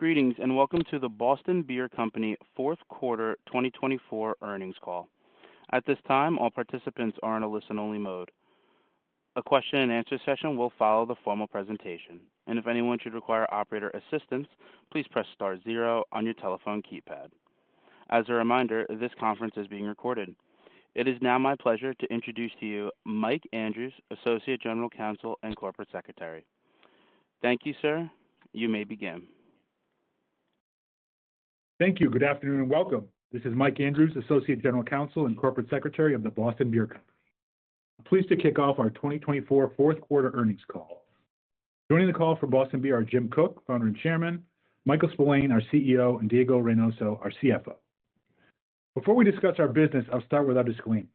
Greetings and welcome to the Boston Beer Company Fourth Quarter 2024 earnings call. At this time, all participants are in a listen-only mode. A question-and-answer session will follow the formal presentation, and if anyone should require operator assistance, please press star zero on your telephone keypad. As a reminder, this conference is being recorded. It is now my pleasure to introduce to you Michael Andrews, Associate General Counsel and Corporate Secretary. Thank you, sir. You may begin. Thank you. Good afternoon and welcome. This is Michael Andrews, Associate General Counsel and Corporate Secretary of the Boston Beer Company. I'm pleased to kick off our 2024 Fourth Quarter earnings call. Joining the call for Boston Beer are Jim Koch, founder and chairman, Michael Spillane, our CEO, and Diego Reynoso, our CFO. Before we discuss our business, I'll start without disclaimer.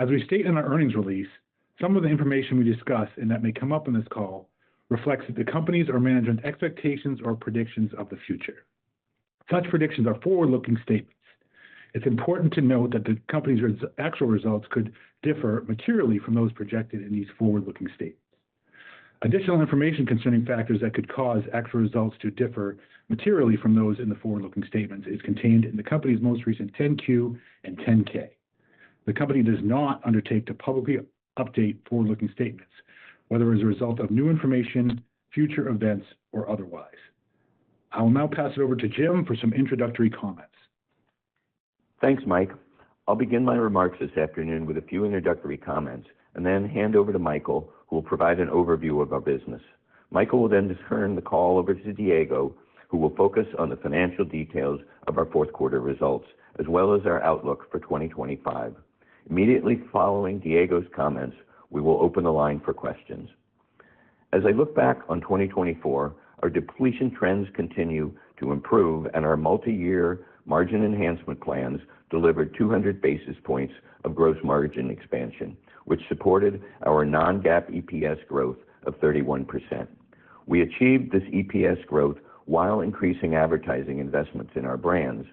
As we state in our earnings release, some of the information we discuss and that may come up in this call reflects that the company's or management's expectations or predictions of the future. Such predictions are forward-looking statements. It's important to note that the company's actual results could differ materially from those projected in these forward-looking statements. Additional information concerning factors that could cause actual results to differ materially from those in the forward-looking statements is contained in the company's most recent 10-Q and 10-K. The company does not undertake to publicly update forward-looking statements, whether as a result of new information, future events, or otherwise. I will now pass it over to Jim for some introductory comments. Thanks, Michael. I'll begin my remarks this afternoon with a few introductory comments and then hand over to Michael, who will provide an overview of our business. Michael will then turn the call over to Diego, who will focus on the financial details of our fourth quarter results as well as our outlook for 2025. Immediately following Diego's comments, we will open the line for questions. As I look back on 2024, our depletion trends continue to improve, and our multi-year margin enhancement plans delivered 200 basis points of gross margin expansion, which supported our non-GAAP EPS growth of 31%. We achieved this EPS growth while increasing advertising investments in our brands.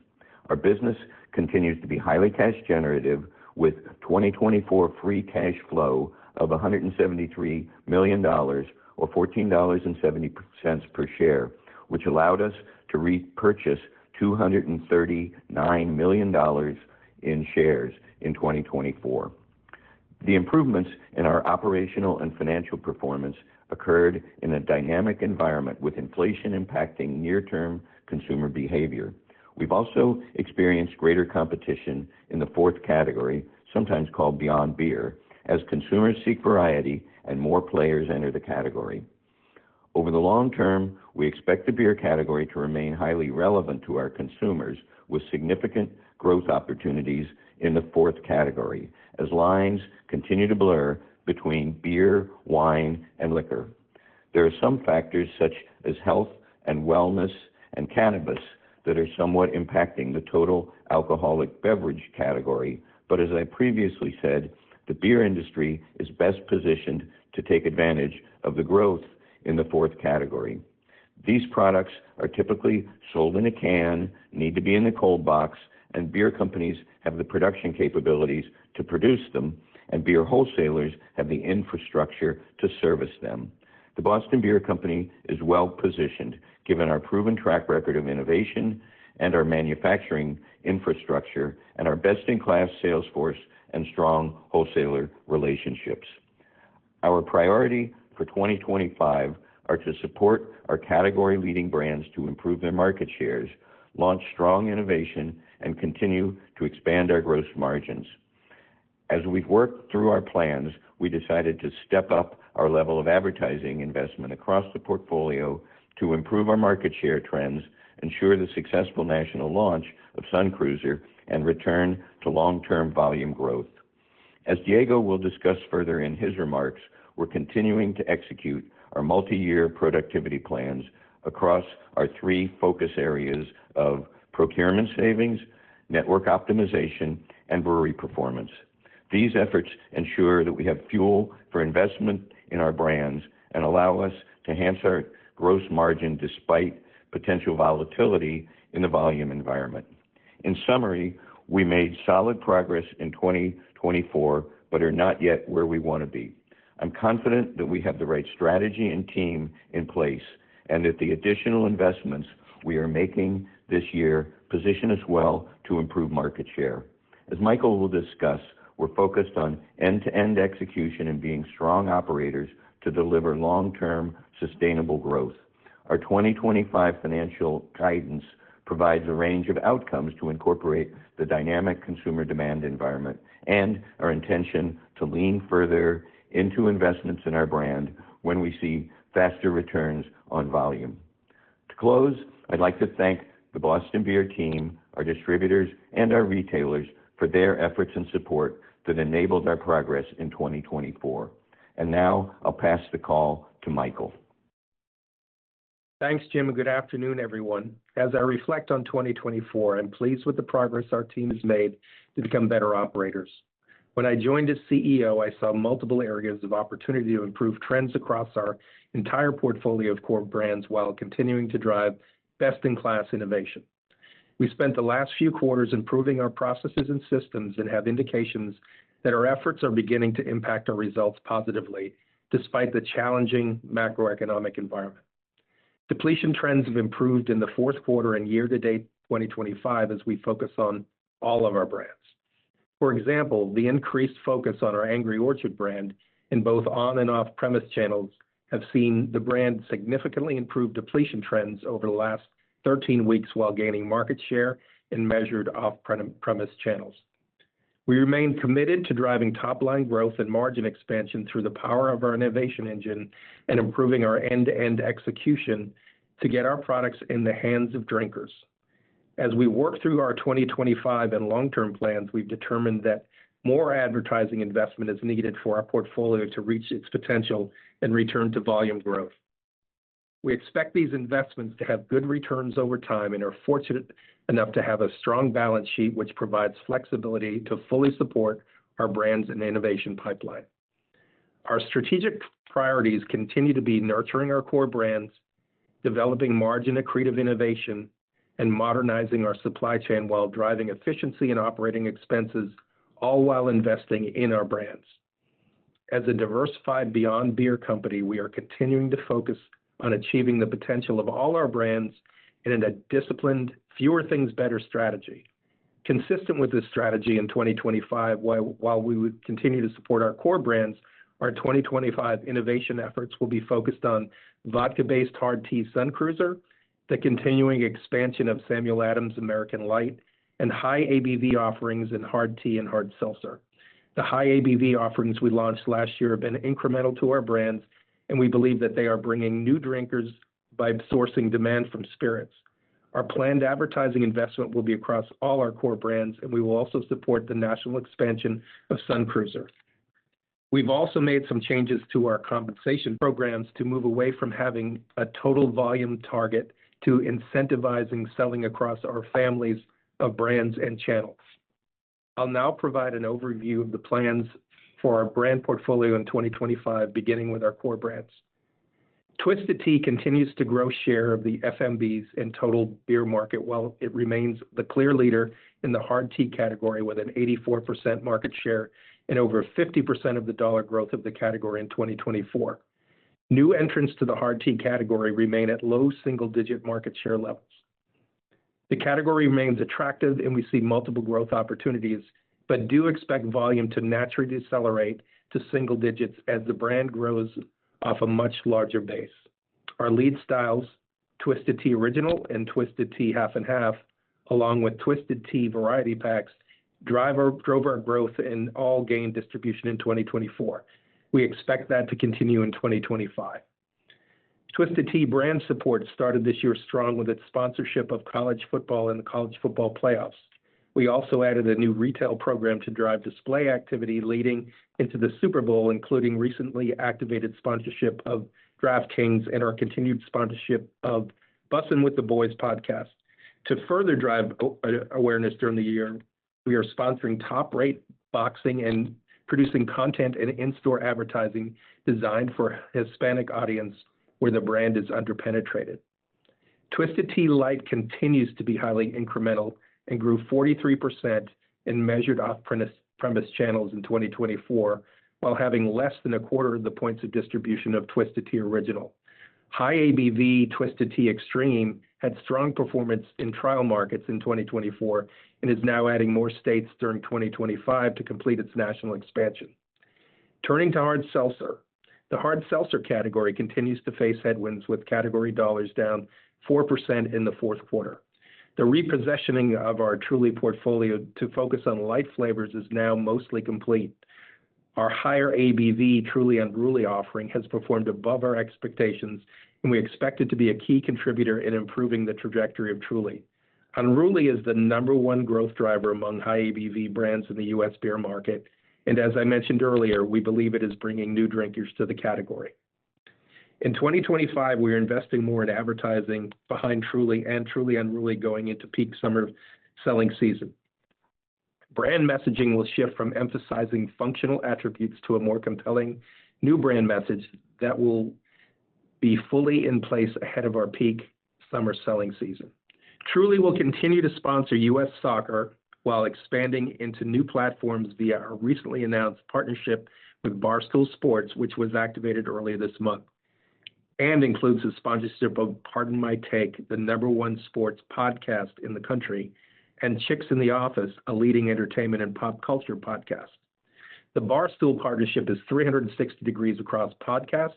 Our business continues to be highly cash-generative, with 2024 free cash flow of $173 million, or $14.70 per share, which allowed us to repurchase $239 million in shares in 2024. The improvements in our operational and financial performance occurred in a dynamic environment, with inflation impacting near-term consumer behavior. We've also experienced greater competition in the fourth category, sometimes called Beyond Beer, as consumers seek variety and more players enter the category. Over the long term, we expect the beer category to remain highly relevant to our consumers, with significant growth opportunities in the fourth category, as lines continue to blur between beer, wine, and liquor. There are some factors such as health and wellness and cannabis that are somewhat impacting the total alcoholic beverage category, but as I previously said, the beer industry is best positioned to take advantage of the growth in the fourth category. These products are typically sold in a can, need to be in the cold box, and beer companies have the production capabilities to produce them, and beer wholesalers have the infrastructure to service them. The Boston Beer Company is well positioned, given our proven track record of innovation and our manufacturing infrastructure and our best-in-class salesforce and strong wholesaler relationships. Our priority for 2025 is to support our category-leading brands to improve their market shares, launch strong innovation, and continue to expand our gross margins. As we've worked through our plans, we decided to step up our level of advertising investment across the portfolio to improve our market share trends, ensure the successful national launch of Sun Cruiser, and return to long-term volume growth. As Diego will discuss further in his remarks, we're continuing to execute our multi-year productivity plans across our three focus areas of procurement savings, network optimization, and brewery performance. These efforts ensure that we have fuel for investment in our brands and allow us to enhance our gross margin despite potential volatility in the volume environment. In summary, we made solid progress in 2024 but are not yet where we want to be. I'm confident that we have the right strategy and team in place and that the additional investments we are making this year position us well to improve market share. As Michael will discuss, we're focused on end-to-end execution and being strong operators to deliver long-term sustainable growth. Our 2025 financial guidance provides a range of outcomes to incorporate the dynamic consumer demand environment and our intention to lean further into investments in our brand when we see faster returns on volume. To close, I'd like to thank the Boston Beer team, our distributors, and our retailers for their efforts and support that enabled our progress in 2024. And now I'll pass the call to Michael. Thanks, Jim. Good afternoon, everyone. As I reflect on 2024, I'm pleased with the progress our team has made to become better operators. When I joined as CEO, I saw multiple areas of opportunity to improve trends across our entire portfolio of core brands while continuing to drive best-in-class innovation. We spent the last few quarters improving our processes and systems and have indications that our efforts are beginning to impact our results positively despite the challenging macroeconomic environment. Depletion trends have improved in the fourth quarter and year-to-date 2025 as we focus on all of our brands. For example, the increased focus on our Angry Orchard brand in both on- and off-premise channels has seen the brand significantly improve depletion trends over the last 13 weeks while gaining market share in measured off-premise channels. We remain committed to driving top-line growth and margin expansion through the power of our innovation engine and improving our end-to-end execution to get our products in the hands of drinkers. As we work through our 2025 and long-term plans, we've determined that more advertising investment is needed for our portfolio to reach its potential and return to volume growth. We expect these investments to have good returns over time and are fortunate enough to have a strong balance sheet, which provides flexibility to fully support our brands and innovation pipeline. Our strategic priorities continue to be nurturing our core brands, developing margin-accretive innovation, and modernizing our supply chain while driving efficiency in operating expenses, all while investing in our brands. As a diversified Beyond Beer company, we are continuing to focus on achieving the potential of all our brands in a disciplined, fewer-things-better strategy. Consistent with this strategy in 2025, while we continue to support our core brands, our 2025 innovation efforts will be focused on vodka-based hard tea Sun Cruiser, the continuing expansion of Samuel Adams American Light, and high ABV offerings in hard tea and hard seltzer. The high ABV offerings we launched last year have been incremental to our brands, and we believe that they are bringing new drinkers by sourcing demand from spirits. Our planned advertising investment will be across all our core brands, and we will also support the national expansion of Sun Cruiser. We've also made some changes to our compensation programs to move away from having a total volume target to incentivizing selling across our families of brands and channels. I'll now provide an overview of the plans for our brand portfolio in 2025, beginning with our core brands. Twisted Tea continues to grow share of the FMBs in total beer market while it remains the clear leader in the hard tea category with an 84% market share and over 50% of the dollar growth of the category in 2024. New entrants to the hard tea category remain at low single-digit market share levels. The category remains attractive, and we see multiple growth opportunities, but do expect volume to naturally decelerate to single digits as the brand grows off a much larger base. Our lead styles, Twisted Tea Original and Twisted Tea Half & Half, along with Twisted Tea Variety Packs, drove our growth and all gained distribution in 2024. We expect that to continue in 2025. Twisted Tea brand support started this year strong with its sponsorship of college football and the college football playoffs. We also added a new retail program to drive display activity leading into the Super Bowl, including recently activated sponsorship of DraftKings and our continued sponsorship of Bussin' With The Boys podcast. To further drive awareness during the year, we are sponsoring Top Rank Boxing and producing content and in-store advertising designed for a Hispanic audience where the brand is underpenetrated. Twisted Tea Light continues to be highly incremental and grew 43% in measured off-premise channels in 2024 while having less than a quarter of the points of distribution of Twisted Tea Original. High ABV Twisted Tea Extreme had strong performance in trial markets in 2024 and is now adding more states during 2025 to complete its national expansion. Turning to hard seltzer, the hard seltzer category continues to face headwinds with category dollars down 4% in the fourth quarter. The repositioning of our Truly portfolio to focus on light flavors is now mostly complete. Our higher ABV Truly Unruly offering has performed above our expectations, and we expect it to be a key contributor in improving the trajectory of Truly. Unruly is the number one growth driver among high ABV brands in the U.S. beer market, and as I mentioned earlier, we believe it is bringing new drinkers to the category. In 2025, we are investing more in advertising behind Truly and Truly Unruly going into peak summer selling season. Brand messaging will shift from emphasizing functional attributes to a more compelling new brand message that will be fully in place ahead of our peak summer selling season. Truly will continue to sponsor U.S. Soccer while expanding into new platforms via a recently announced partnership with Barstool Sports, which was activated earlier this month and includes a sponsorship of Pardon My Take, the number one sports podcast in the country, and Chicks in the Office, a leading entertainment and pop culture podcast. The Barstool partnership is 360 degrees across podcast,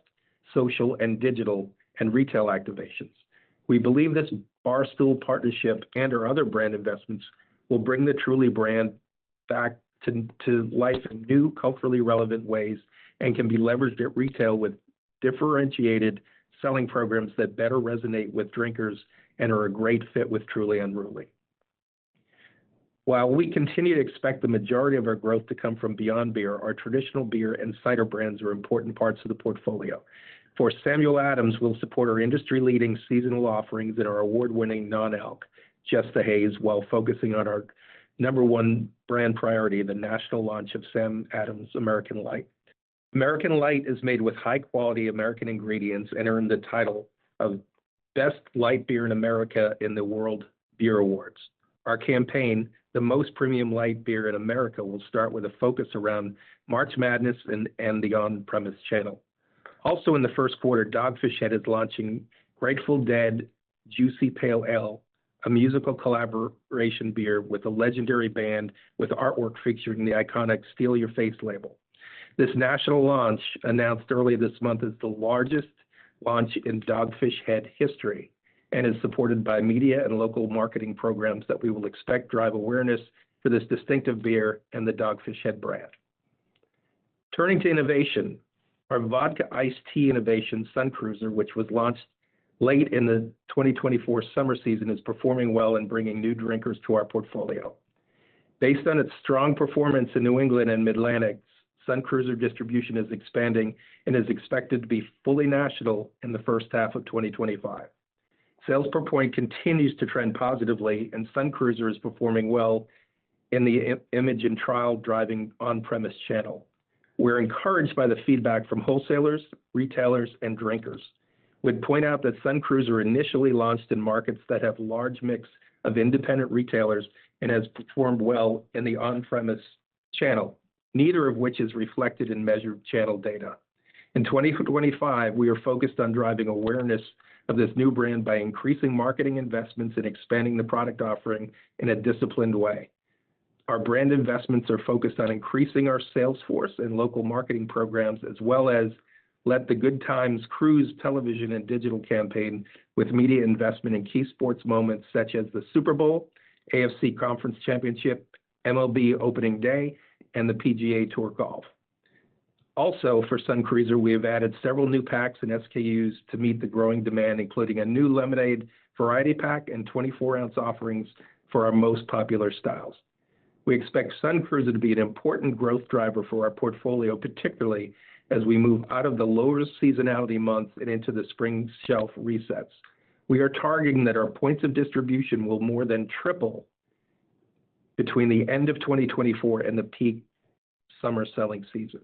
social, digital, and retail activations. We believe this Barstool partnership and our other brand investments will bring the Truly brand back to life in new, culturally relevant ways and can be leveraged at retail with differentiated selling programs that better resonate with drinkers and are a great fit with Truly Unruly. While we continue to expect the majority of our growth to come from Beyond Beer, our traditional beer and cider brands are important parts of the portfolio. For Samuel Adams, we'll support our industry-leading seasonal offerings and our award-winning non-alc, Just The Haze, while focusing on our number one brand priority, the national launch of Sam Adams American Light. American Light is made with high-quality American ingredients and earned the title of Best Light Beer in America in the World Beer Awards. Our campaign, The Most Premium Light Beer in America, will start with a focus around March Madness and the on-premise channel. Also, in the first quarter, Dogfish Head is launching Grateful Dead Juicy Pale Ale, a musical collaboration beer with a legendary band with artwork featuring the iconic Steal Your Face label. This national launch, announced earlier this month, is the largest launch in Dogfish Head history and is supported by media and local marketing programs that we will expect drive awareness for this distinctive beer and the Dogfish Head brand. Turning to innovation, our vodka iced tea innovation, Sun Cruiser, which was launched late in the 2024 summer season, is performing well and bringing new drinkers to our portfolio. Based on its strong performance in New England and Midwest, Sun Cruiser distribution is expanding and is expected to be fully national in the first half of 2025. Sales per point continues to trend positively, and Sun Cruiser is performing well in the image and trial driving on-premise channel. We're encouraged by the feedback from wholesalers, retailers, and drinkers. We'd point out that Sun Cruiser initially launched in markets that have a large mix of independent retailers and has performed well in the on-premise channel, neither of which is reflected in measured channel data. In 2025, we are focused on driving awareness of this new brand by increasing marketing investments and expanding the product offering in a disciplined way. Our brand investments are focused on increasing our salesforce and local marketing programs, as well as Let the Good Times Cruise television and digital campaign with media investment in key sports moments such as the Super Bowl, AFC Conference Championship, MLB Opening Day, and the PGA TOUR. Also, for Sun Cruiser, we have added several new packs and SKUs to meet the growing demand, including a new lemonade variety pack and 24-ounce offerings for our most popular styles. We expect Sun Cruiser to be an important growth driver for our portfolio, particularly as we move out of the lower seasonality months and into the spring shelf resets. We are targeting that our points of distribution will more than triple between the end of 2024 and the peak summer selling season.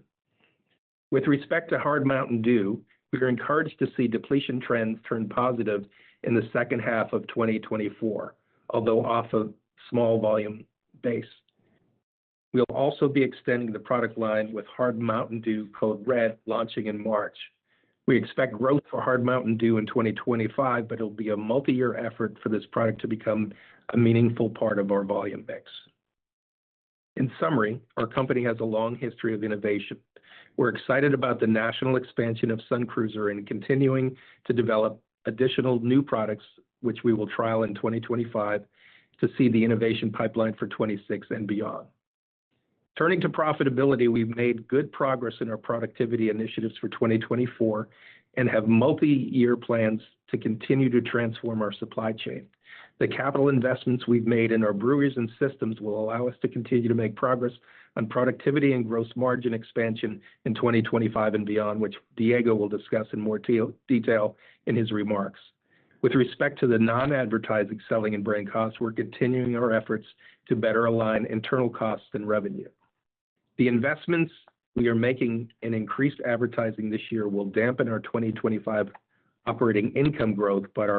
With respect to Hard Mountain Dew, we are encouraged to see depletion trends turn positive in the second half of 2024, although off a small volume base. We'll also be extending the product line with Hard Mountain Dew Code Red launching in March. We expect growth for Hard Mountain Dew in 2025, but it'll be a multi-year effort for this product to become a meaningful part of our volume mix. In summary, our company has a long history of innovation. We're excited about the national expansion of Sun Cruiser and continuing to develop additional new products, which we will trial in 2025 to see the innovation pipeline for 2026 and beyond. Turning to profitability, we've made good progress in our productivity initiatives for 2024 and have multi-year plans to continue to transform our supply chain. The capital investments we've made in our breweries and systems will allow us to continue to make progress on productivity and gross margin expansion in 2025 and beyond, which Diego will discuss in more detail in his remarks. With respect to the non-advertising selling and brand costs, we're continuing our efforts to better align internal costs and revenue. The investments we are making in increased advertising this year will dampen our 2025 operating income growth, but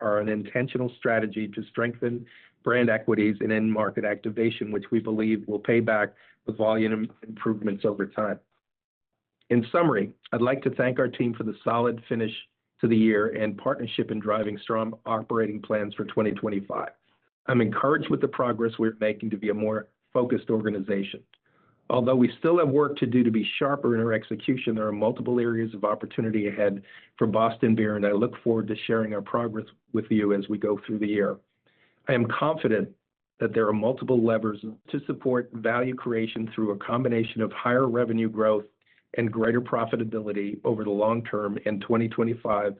are an intentional strategy to strengthen brand equities and end market activation, which we believe will pay back with volume improvements over time. In summary, I'd like to thank our team for the solid finish to the year and partnership in driving strong operating plans for 2025. I'm encouraged with the progress we're making to be a more focused organization. Although we still have work to do to be sharper in our execution, there are multiple areas of opportunity ahead for Boston Beer, and I look forward to sharing our progress with you as we go through the year. I am confident that there are multiple levers to support value creation through a combination of higher revenue growth and greater profitability over the long term in 2025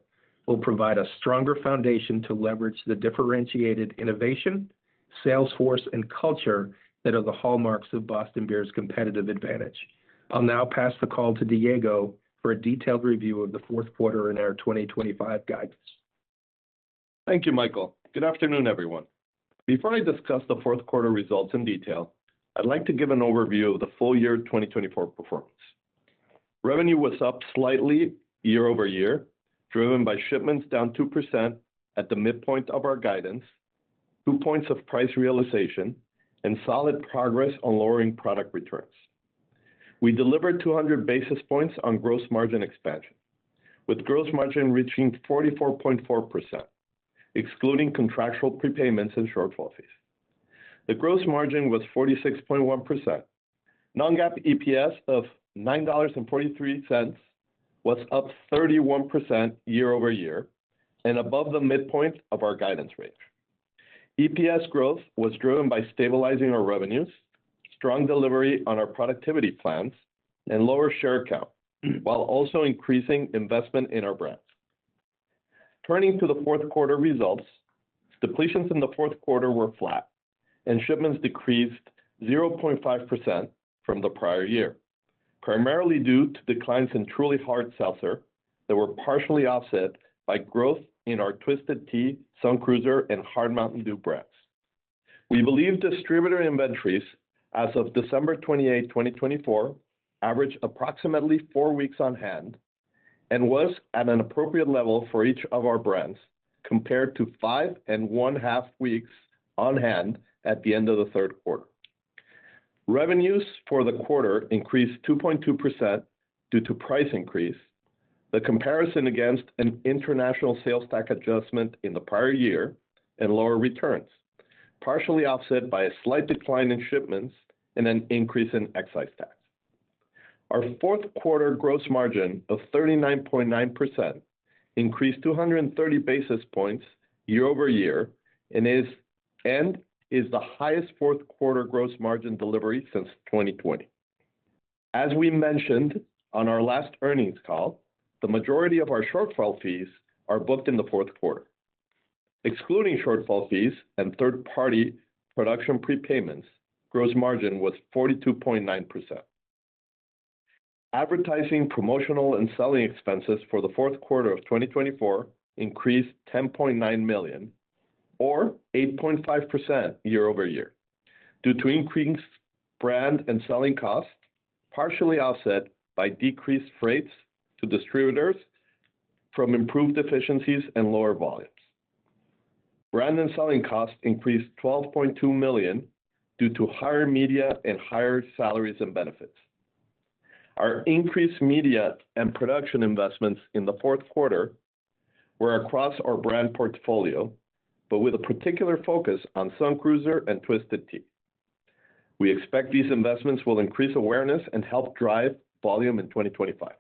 will provide a stronger foundation to leverage the differentiated innovation, salesforce, and culture that are the hallmarks of Boston Beer's competitive advantage. I'll now pass the call to Diego for a detailed review of the fourth quarter in our 2025 guidance. Thank you, Michael. Good afternoon, everyone. Before I discuss the fourth quarter results in detail, I'd like to give an overview of the full year 2024 performance. Revenue was up slightly year-over-year, driven by shipments down 2% at the midpoint of our guidance, two points of price realization, and solid progress on lowering product returns. We delivered 200 basis points on gross margin expansion, with gross margin reaching 44.4%, excluding contractual prepayments and shortfall fees. The gross margin was 46.1%. Non-GAAP EPS of $9.43 was up 31% year-over-year and above the midpoint of our guidance range. EPS growth was driven by stabilizing our revenues, strong delivery on our productivity plans, and lower share count, while also increasing investment in our brand. Turning to the fourth quarter results, depletions in the fourth quarter were flat, and shipments decreased 0.5% from the prior year, primarily due to declines in Truly Hard Seltzer that were partially offset by growth in our Twisted Tea, Sun Cruiser, and Hard Mountain Dew brands. We believe distributor inventories as of December 28, 2024, averaged approximately four weeks on hand and was at an appropriate level for each of our brands compared to five and one-half weeks on hand at the end of the third quarter. Revenues for the quarter increased 2.2% due to price increase, the comparison against an international sales tax adjustment in the prior year, and lower returns, partially offset by a slight decline in shipments and an increase in excise tax. Our fourth quarter gross margin of 39.9% increased 230 basis points year-over-year and is the highest fourth quarter gross margin delivery since 2020. As we mentioned on our last earnings call, the majority of our shortfall fees are booked in the fourth quarter. Excluding shortfall fees and third-party production prepayments, gross margin was 42.9%. Advertising, promotional, and selling expenses for the fourth quarter of 2024 increased $10.9 million, or 8.5% year-over-year, due to increased brand and selling costs, partially offset by decreased freights to distributors from improved efficiencies and lower volumes. Brand and selling costs increased $12.2 million due to higher media and higher salaries and benefits. Our increased media and production investments in the fourth quarter were across our brand portfolio, but with a particular focus on Sun Cruiser and Twisted Tea. We expect these investments will increase awareness and help drive volume in 2025.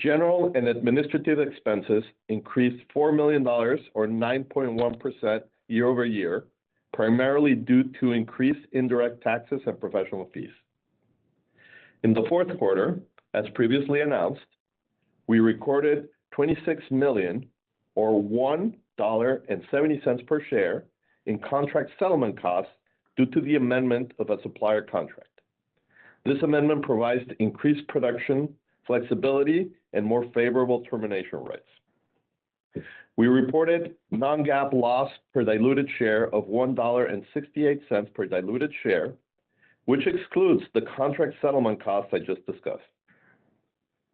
General and administrative expenses increased $4 million, or 9.1% year-over-year, primarily due to increased indirect taxes and professional fees. In the fourth quarter, as previously announced, we recorded $26 million, or $1.70 per share, in contract settlement costs due to the amendment of a supplier contract. This amendment provides increased production flexibility and more favorable termination rights. We reported non-GAAP loss per diluted share of $1.68 per diluted share, which excludes the contract settlement costs I just discussed.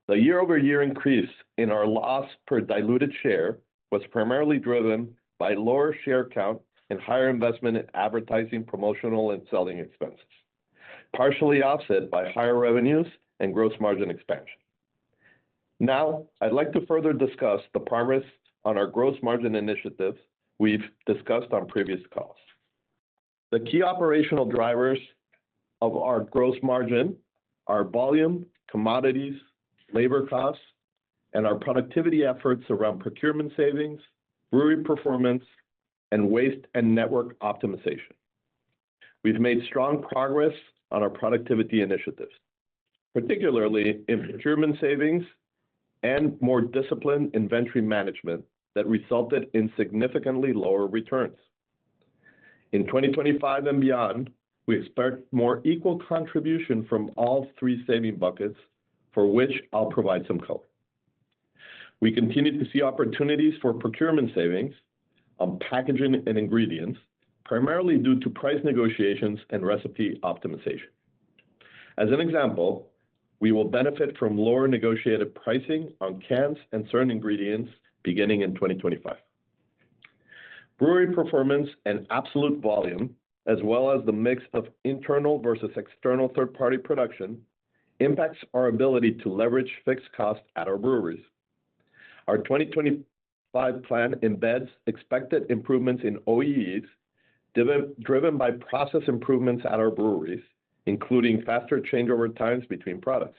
The year-over-year increase in our loss per diluted share was primarily driven by lower share count and higher investment in advertising, promotional, and selling expenses, partially offset by higher revenues and gross margin expansion. Now, I'd like to further discuss the progress on our gross margin initiatives we've discussed on previous calls. The key operational drivers of our gross margin are volume, commodities, labor costs, and our productivity efforts around procurement savings, brewery performance, and waste and network optimization. We've made strong progress on our productivity initiatives, particularly in procurement savings and more disciplined inventory management that resulted in significantly lower returns. In 2025 and beyond, we expect more equal contribution from all three saving buckets, for which I'll provide some color. We continue to see opportunities for procurement savings on packaging and ingredients, primarily due to price negotiations and recipe optimization. As an example, we will benefit from lower negotiated pricing on cans and certain ingredients beginning in 2025. Brewery performance and absolute volume, as well as the mix of internal versus external third-party production, impacts our ability to leverage fixed costs at our breweries. Our 2025 plan embeds expected improvements in OEEs driven by process improvements at our breweries, including faster changeover times between products.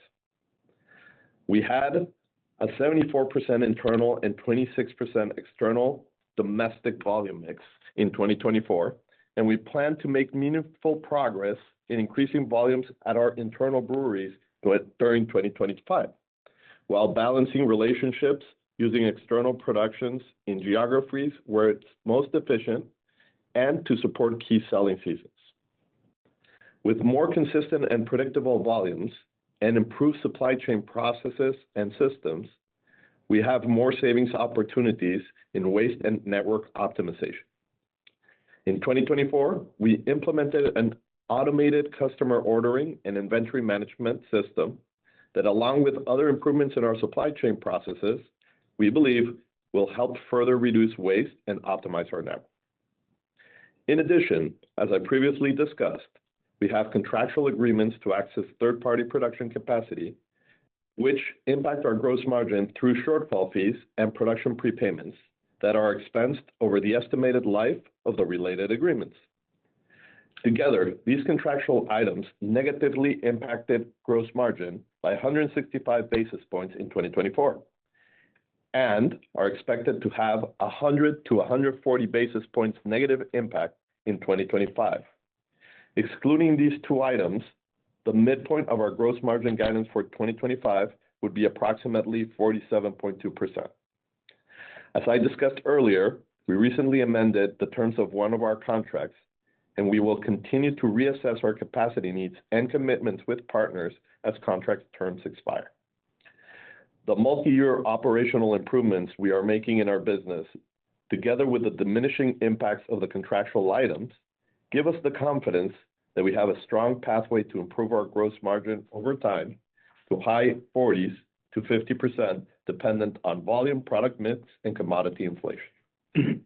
We had a 74% internal and 26% external domestic volume mix in 2024, and we plan to make meaningful progress in increasing volumes at our internal breweries during 2025, while balancing relationships using external productions in geographies where it's most efficient and to support key selling seasons. With more consistent and predictable volumes and improved supply chain processes and systems, we have more savings opportunities in waste and network optimization. In 2024, we implemented an automated customer ordering and inventory management system that, along with other improvements in our supply chain processes, we believe will help further reduce waste and optimize our network. In addition, as I previously discussed, we have contractual agreements to access third-party production capacity, which impact our gross margin through shortfall fees and production prepayments that are expensed over the estimated life of the related agreements. Together, these contractual items negatively impacted gross margin by 165 basis points in 2024 and are expected to have 100-140 basis points negative impact in 2025. Excluding these two items, the midpoint of our gross margin guidance for 2025 would be approximately 47.2%. As I discussed earlier, we recently amended the terms of one of our contracts, and we will continue to reassess our capacity needs and commitments with partners as contract terms expire. The multi-year operational improvements we are making in our business, together with the diminishing impacts of the contractual items, give us the confidence that we have a strong pathway to improve our gross margin over time to high 40s to 50% dependent on volume, product mix, and commodity inflation.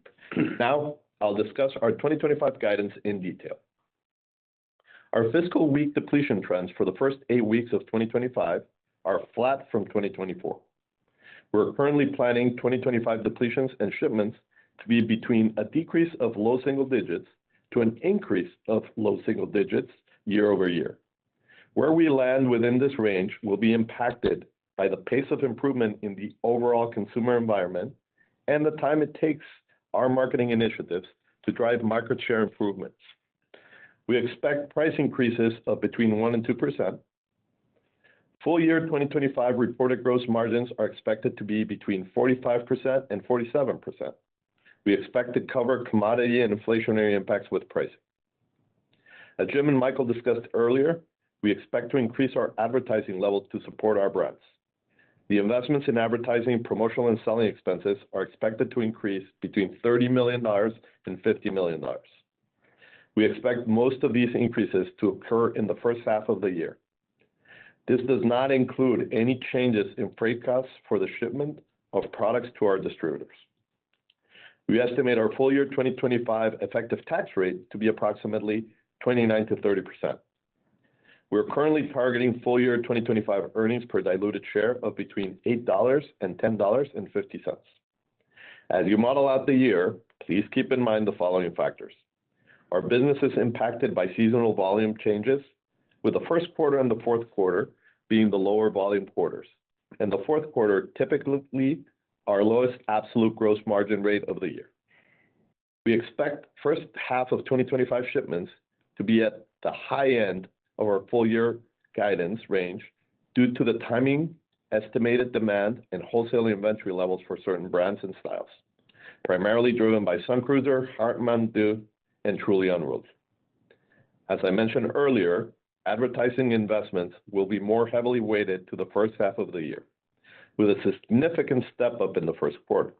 Now, I'll discuss our 2025 guidance in detail. Our fiscal week depletion trends for the first eight weeks of 2025 are flat from 2024. We're currently planning 2025 depletions and shipments to be between a decrease of low single digits to an increase of low single digits year-over-year. Where we land within this range will be impacted by the pace of improvement in the overall consumer environment and the time it takes our marketing initiatives to drive market share improvements. We expect price increases of between 1% and 2%. Full year 2025 reported gross margins are expected to be between 45% and 47%. We expect to cover commodity and inflationary impacts with pricing. As Jim and Michael discussed earlier, we expect to increase our advertising level to support our brands. The investments in advertising, promotional, and selling expenses are expected to increase between $30 million and $50 million. We expect most of these increases to occur in the first half of the year. This does not include any changes in freight costs for the shipment of products to our distributors. We estimate our full year 2025 effective tax rate to be approximately 29%-30%. We're currently targeting full year 2025 earnings per diluted share of between $8-$10.50. As you model out the year, please keep in mind the following factors. Our business is impacted by seasonal volume changes, with the first quarter and the fourth quarter being the lower volume quarters, and the fourth quarter typically our lowest absolute gross margin rate of the year. We expect first half of 2025 shipments to be at the high end of our full year guidance range due to the timing, estimated demand, and wholesale inventory levels for certain brands and styles, primarily driven by Sun Cruiser, Hard Mountain Dew, and Truly Unruly. As I mentioned earlier, advertising investments will be more heavily weighted to the first half of the year, with a significant step up in the first quarter.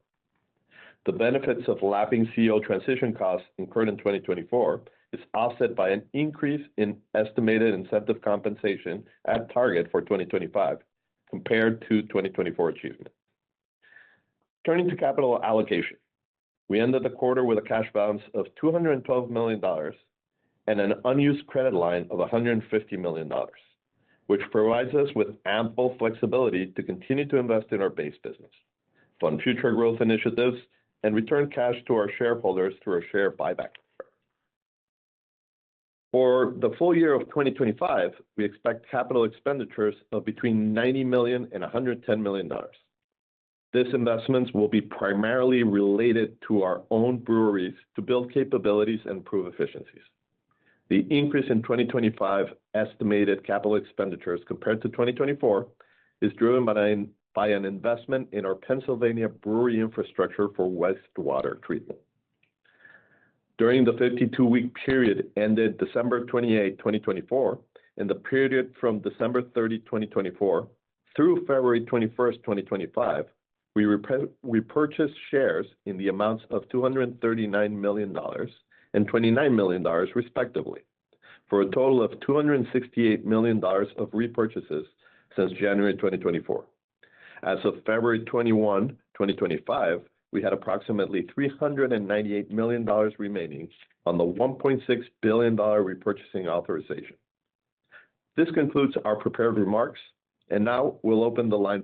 The benefits of lapping CEO transition costs incurred in 2024 are offset by an increase in estimated incentive compensation at target for 2025 compared to 2024 achievement. Turning to capital allocation, we ended the quarter with a cash balance of $212 million and an unused credit line of $150 million, which provides us with ample flexibility to continue to invest in our base business, fund future growth initiatives, and return cash to our shareholders through a share buyback. For the full year of 2025, we expect capital expenditures of between $90 million and $110 million. These investments will be primarily related to our own breweries to build capabilities and improve efficiencies. The increase in 2025 estimated capital expenditures compared to 2024 is driven by an investment in our Pennsylvania brewery infrastructure for wastewater treatment. During the 52-week period ended December 28th, 2024, and the period from December 30, 2024, through February 21st, 2025, we repurchased shares in the amounts of $239 million and $29 million, respectively, for a total of $268 million of repurchases since January 2024. As of February 21, 2025, we had approximately $398 million remaining on the $1.6 billion repurchasing authorization. This concludes our prepared remarks, and now we'll open the line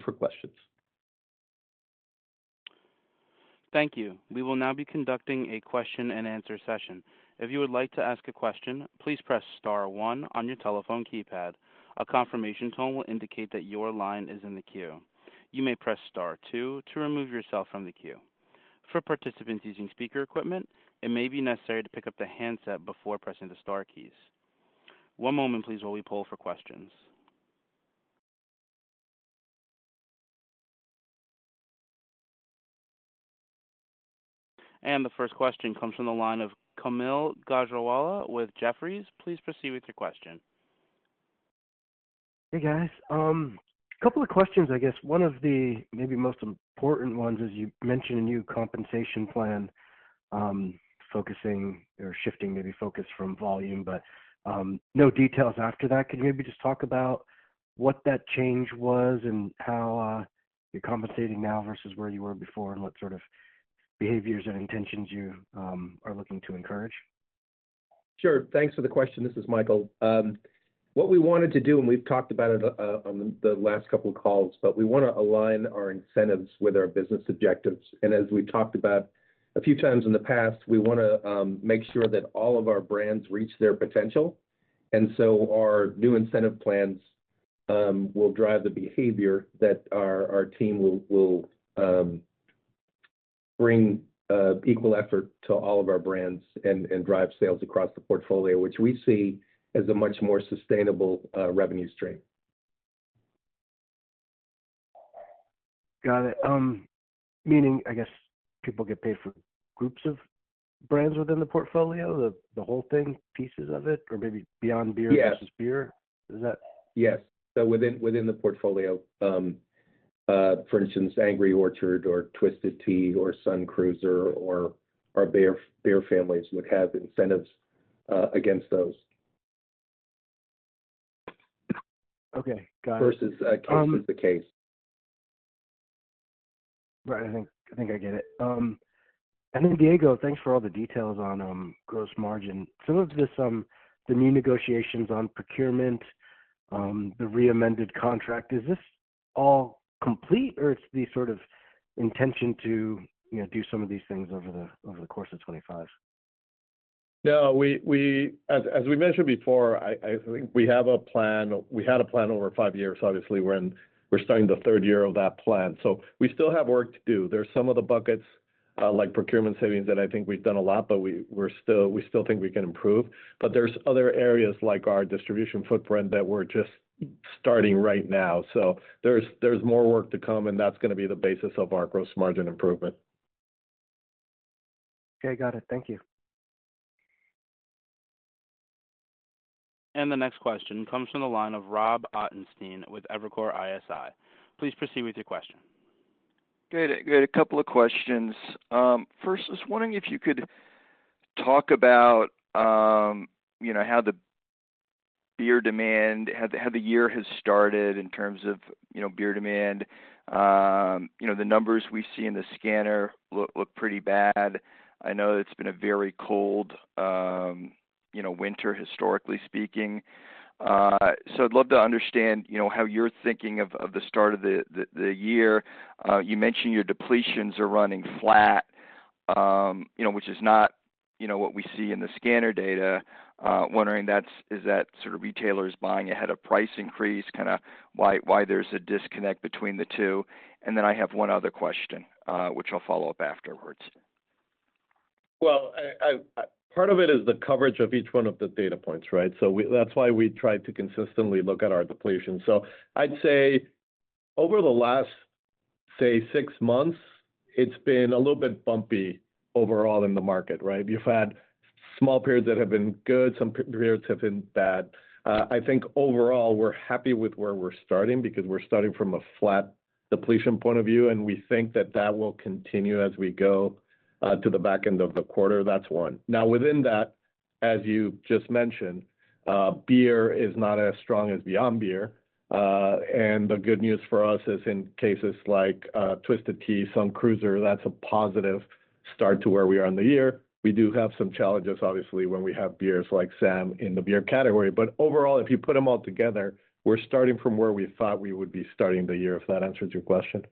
for questions. Thank you. We will now be conducting a question-and-answer session. If you would like to ask a question, please press star one on your telephone keypad. A confirmation tone will indicate that your line is in the queue. You may press star two to remove yourself from the queue. For participants using speaker equipment, it may be necessary to pick up the handset before pressing the star key. One moment, please, while we poll for questions, and the first question comes from the line of Kaumil Gajrawala with Jefferies. Please proceed with your question. Hey, guys. A couple of questions, I guess. One of the maybe most important ones is you mentioned a new compensation plan focusing or shifting maybe focus from volume, but no details after that. Could you maybe just talk about what that change was and how you're compensating now versus where you were before and what sort of behaviors and intentions you are looking to encourage? Sure. Thanks for the question. This is Michael. What we wanted to do, and we've talked about it on the last couple of calls, but we want to align our incentives with our business objectives. As we've talked about a few times in the past, we want to make sure that all of our brands reach their potential. So our new incentive plans will drive the behavior that our team will bring equal effort to all of our brands and drive sales across the portfolio, which we see as a much more sustainable revenue stream. Got it. Meaning, I guess, people get paid for groups of brands within the portfolio, the whole thing, pieces of it, or maybe Beyond Beer versus beer? Is that? Yes. So within the portfolio, for instance, Angry Orchard or Twisted Tea or Sun Cruiser or our Beer Families would have incentives against those. Okay. Got it. Depletions versus cases. Right. I think I get it. Then, Diego, thanks for all the details on gross margin. Some of the new negotiations on procurement, the reamended contract, is this all complete, or it's the sort of intention to do some of these things over the course of 2025? No, as we mentioned before, I think we have a plan. We had a plan over five years, obviously, when we're starting the third year of that plan. So we still have work to do. There's some of the buckets, like procurement savings, that I think we've done a lot, but we still think we can improve. But there's other areas like our distribution footprint that we're just starting right now. So there's more work to come, and that's going to be the basis of our gross margin improvement. Okay. Got it. Thank you. And the next question comes from the line of Robert Ottenstein with Evercore ISI. Please proceed with your question. Good. Good. A couple of questions. First, I was wondering if you could talk about how the beer demand, how the year has started in terms of beer demand. The numbers we see in the scanner look pretty bad. I know it's been a very cold winter, historically speaking. So I'd love to understand how you're thinking of the start of the year. You mentioned your depletions are running flat, which is not what we see in the scanner data. Wondering is that sort of retailers buying ahead of price increase, kind of why there's a disconnect between the two. And then I have one other question, which I'll follow up afterwards. Well, part of it is the coverage of each one of the data points, right? So that's why we tried to consistently look at our depletion. So I'd say over the last, say, six months, it's been a little bit bumpy overall in the market, right? You've had small periods that have been good. Some periods have been bad. I think overall, we're happy with where we're starting because we're starting from a flat depletion point of view, and we think that that will continue as we go to the back end of the quarter. That's one. Now, within that, as you just mentioned, beer is not as strong as Beyond Beer. And the good news for us is in cases like Twisted Tea, Sun Cruiser, that's a positive start to where we are in the year. We do have some challenges, obviously, when we have beers like Sam in the beer category. But overall, if you put them all together, we're starting from where we thought we would be starting the year, if that answers your question.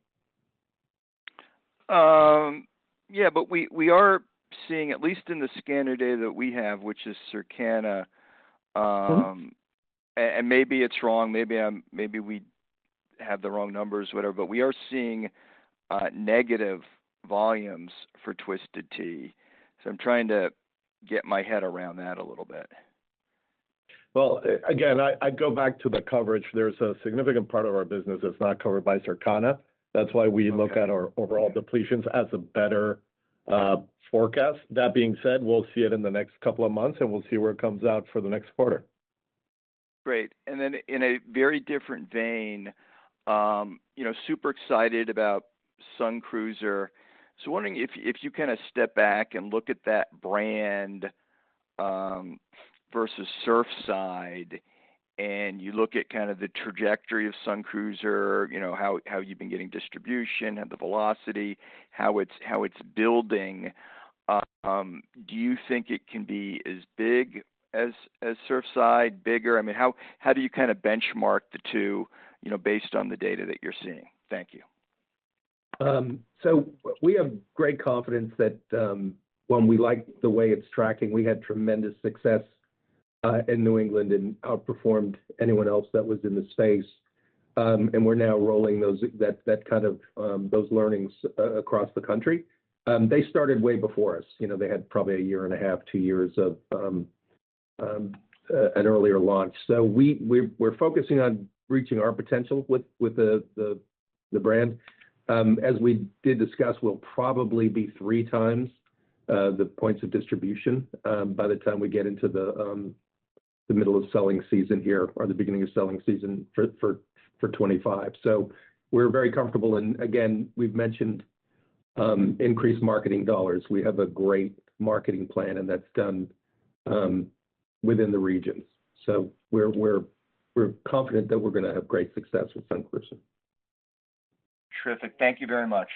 Yeah, but we are seeing, at least in the scanner data that we have, which is Circana, and maybe it's wrong. Maybe we have the wrong numbers, whatever. But we are seeing negative volumes for Twisted Tea. So I'm trying to get my head around that a little bit. Well, again, I go back to the coverage. There's a significant part of our business that's not covered by Circana. That's why we look at our overall depletions as a better forecast. That being said, we'll see it in the next couple of months, and we'll see where it comes out for the next quarter. Great. And then in a very different vein, super excited about Sun Cruiser. Wondering if you kind of step back and look at that brand versus Surfside, and you look at kind of the trajectory of Sun Cruiser, how you've been getting distribution, the velocity, how it's building. Do you think it can be as big as Surfside, bigger? I mean, how do you kind of benchmark the two based on the data that you're seeing? Thank you. We have great confidence that we like the way it's tracking. We had tremendous success in New England and outperformed anyone else that was in the space. We're now rolling that kind of those learnings across the country. They started way before us. They had probably a year and a half, two years of an earlier launch. We're focusing on reaching our potential with the brand. As we did discuss, we'll probably be three times the points of distribution by the time we get into the middle of selling season here or the beginning of selling season for 2025. So we're very comfortable. And again, we've mentioned increased marketing dollars. We have a great marketing plan, and that's done within the regions. So we're confident that we're going to have great success with Sun Cruiser. Terrific. Thank you very much.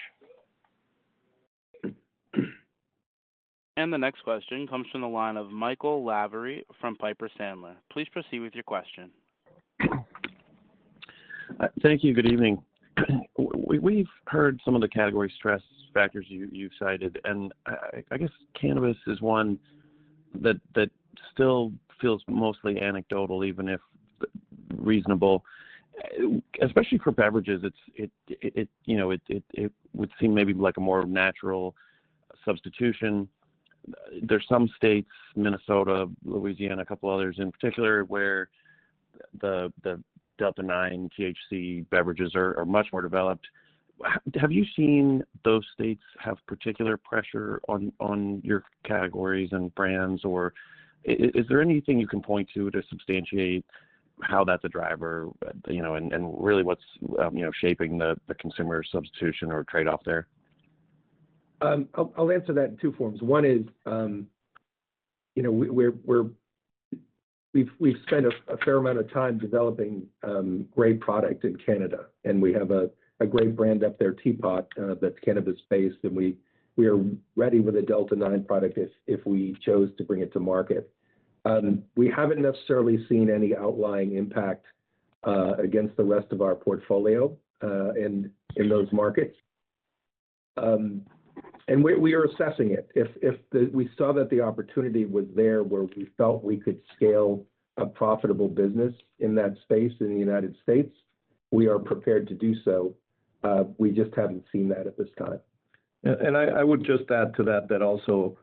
And the next question comes from the line of Michael Lavery from Piper Sandler. Please proceed with your question. Thank you. Good evening. We've heard some of the category stress factors you cited. And I guess cannabis is one that still feels mostly anecdotal, even if reasonable. Especially for beverages, it would seem maybe like a more natural substitution. There's some states, Minnesota, Louisiana, a couple of others in particular, where the Delta-9, THC beverages are much more developed. Have you seen those states have particular pressure on your categories and brands, or is there anything you can point to to substantiate how that's a driver and really what's shaping the consumer substitution or trade-off there? I'll answer that in two forms. One is we've spent a fair amount of time developing great product in Canada, and we have a great brand up there, TeaPot, that's cannabis-based, and we are ready with a Delta-9 product if we chose to bring it to market. We haven't necessarily seen any outlying impact against the rest of our portfolio in those markets, and we are assessing it. If we saw that the opportunity was there where we felt we could scale a profitable business in that space in the United States, we are prepared to do so. We just haven't seen that at this time. And I would just add to that that also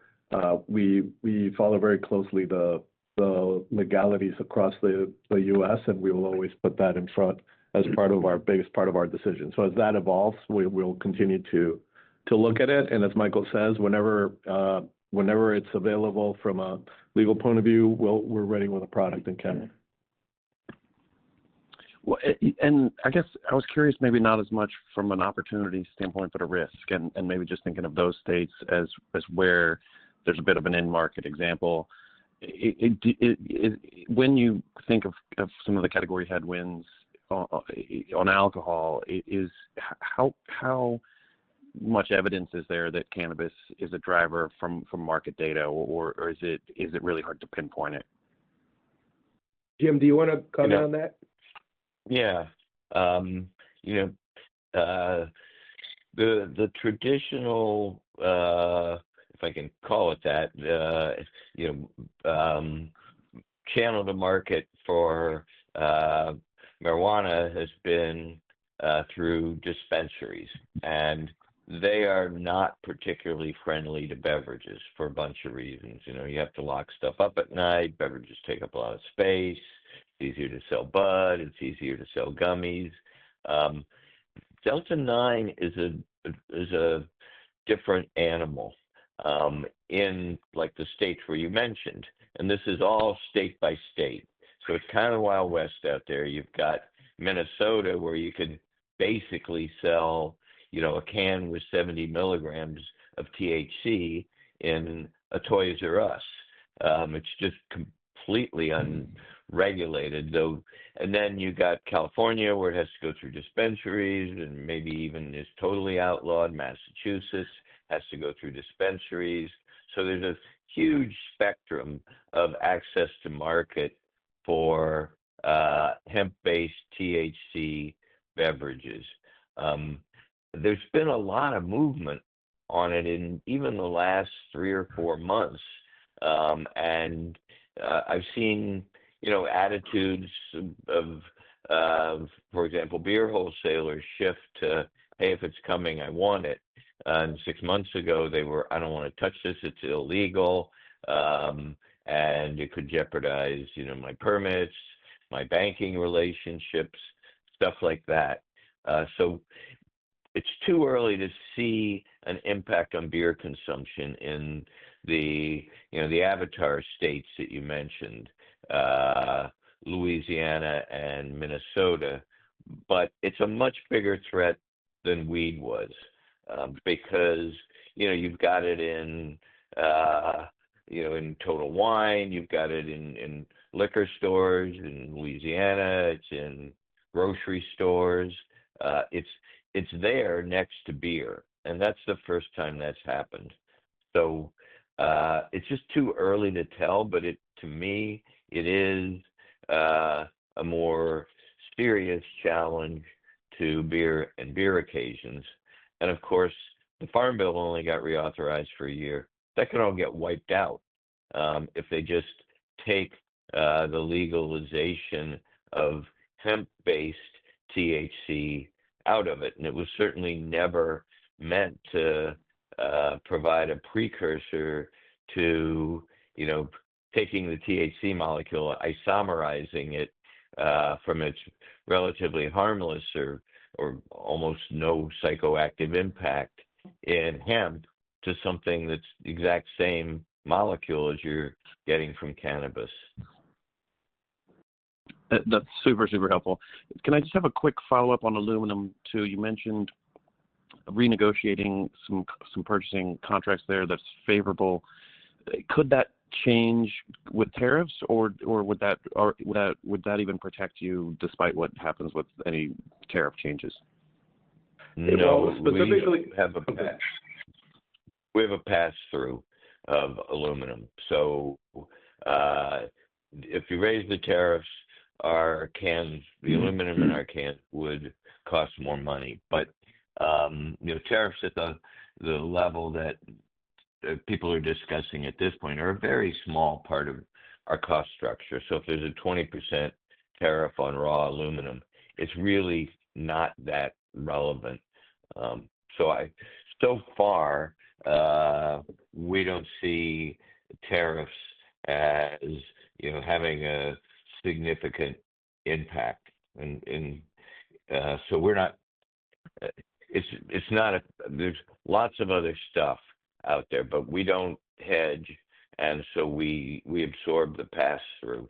we follow very closely the legalities across the U.S., and we will always put that in front as part of our biggest part of our decision. So as that evolves, we'll continue to look at it. And as Michael says, whenever it's available from a legal point of view, we're ready with a product in Canada. And I guess I was curious, maybe not as much from an opportunity standpoint, but a risk. And maybe just thinking of those states as where there's a bit of an in-market example. When you think of some of the category headwinds on alcohol, how much evidence is there that cannabis is a driver from market data, or is it really hard to pinpoint it? Jim, do you want to comment on that? Yeah. The traditional, if I can call it that, channel to market for marijuana has been through dispensaries. And they are not particularly friendly to beverages for a bunch of reasons. You have to lock stuff up at night. Beverages take up a lot of space. It's easier to sell bud. It's easier to sell gummies. Delta-9 is a different animal in the states where you mentioned. And this is all state by state. So it's kind of Wild West out there. You've got Minnesota, where you can basically sell a can with 70 milligrams of THC in a Toys"R"Us. It's just completely unregulated, though. And then you've got California, where it has to go through dispensaries and maybe even is totally outlawed. Massachusetts has to go through dispensaries. So there's a huge spectrum of access to market for hemp-based THC beverages. There's been a lot of movement on it in even the last three or four months. And I've seen attitudes of, for example, beer wholesalers shift to, "Hey, if it's coming, I want it." And six months ago, they were, "I don't want to touch this. It's illegal. And it could jeopardize my permits, my banking relationships," stuff like that. So it's too early to see an impact on beer consumption in the avatar states that you mentioned, Louisiana and Minnesota. But it's a much bigger threat than weed was because you've got it in Total Wine. You've got it in liquor stores in Louisiana. It's in grocery stores. It's there next to beer, and that's the first time that's happened. So it's just too early to tell, but to me, it is a more serious challenge to beer and beer occasions. And of course, the Farm Bill only got reauthorized for a year. That can all get wiped out if they just take the legalization of hemp-based THC out of it. And it was certainly never meant to provide a precursor to taking the THC molecule, isomerizing it from its relatively harmless or almost no psychoactive impact in hemp to something that's the exact same molecule as you're getting from cannabis. That's super, super helpful. Can I just have a quick follow-up on aluminum too? You mentioned renegotiating some purchasing contracts there that's favorable. Could that change with tariffs, or would that even protect you despite what happens with any tariff changes? No, specifically, We have a pass-through of aluminum. So if you raise the tariffs, the aluminum in our can would cost more money. But tariffs at the level that people are discussing at this point are a very small part of our cost structure. So if there's a 20% tariff on raw aluminum, it's really not that relevant. So far, we don't see tariffs as having a significant impact. And so we're not—it's not a—there's lots of other stuff out there, but we don't hedge, and so we absorb the pass-through.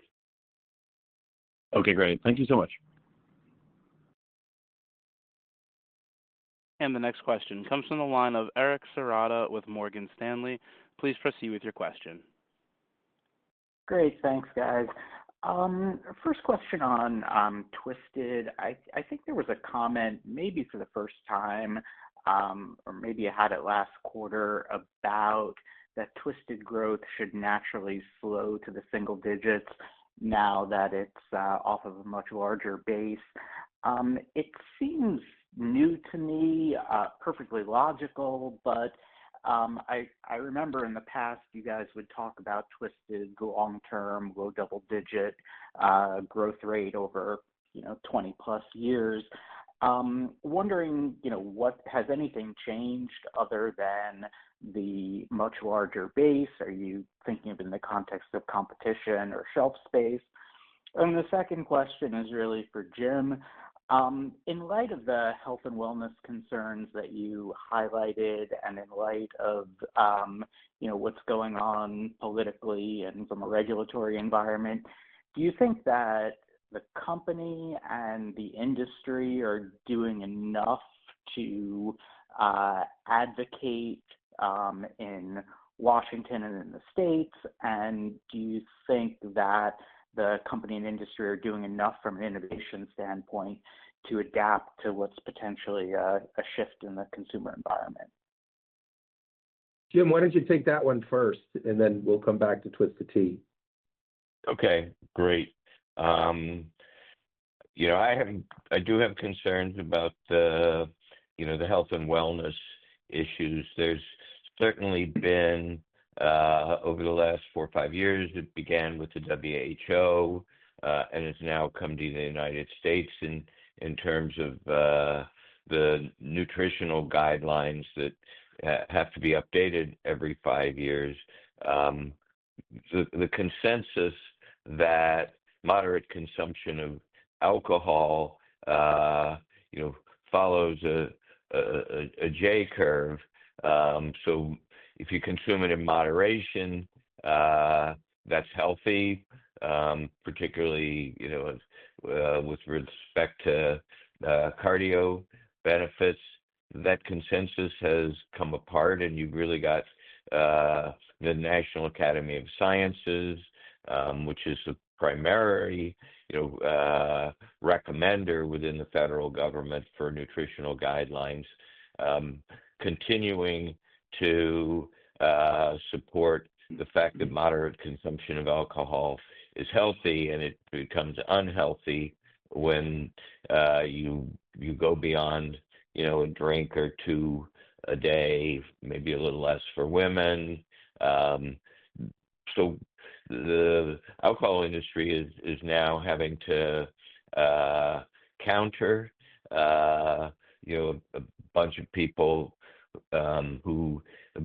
Okay. Great. Thank you so much. And the next question comes from the line of Eric Serotta with Morgan Stanley. Please proceed with your question. Great. Thanks, guys. First question on Twisted. I think there was a comment maybe for the first time, or maybe I had it last quarter, about that Twisted growth should naturally slow to the single digits now that it's off of a much larger base. It seems new to me, perfectly logical, but I remember in the past, you guys would talk about Twisted long-term, low double-digit growth rate over 20-plus years. Wondering what has anything changed other than the much larger base? Are you thinking of it in the context of competition or shelf space? And the second question is really for Jim. In light of the health and wellness concerns that you highlighted and in light of what's going on politically and from a regulatory environment, do you think that the company and the industry are doing enough to advocate in Washington and in the states? Do you think that the company and industry are doing enough from an innovation standpoint to adapt to what's potentially a shift in the consumer environment? Jim, why don't you take that one first, and then we'll come back to Twisted Tea? Okay. Great. I do have concerns about the health and wellness issues. There's certainly been over the last four or five years. It began with the WHO and has now come to the United States in terms of the nutritional guidelines that have to be updated every five years. The consensus that moderate consumption of alcohol follows a J curve. So if you consume it in moderation, that's healthy, particularly with respect to cardio benefits. That consensus has come apart, and you've really got the National Academy of Sciences, which is the primary recommender within the federal government for nutritional guidelines, continuing to support the fact that moderate consumption of alcohol is healthy, and it becomes unhealthy when you go beyond a drink or two a day, maybe a little less for women. So the alcohol industry is now having to counter a bunch of people who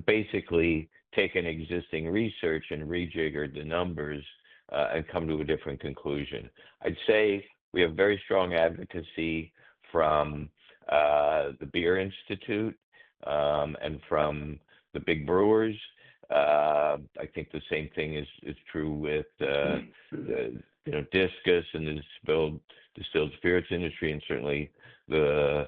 basically take an existing research and rejigger the numbers and come to a different conclusion. I'd say we have very strong advocacy from the Beer Institute and from the big brewers. I think the same thing is true with the DISCUS and the distilled spirits industry and certainly the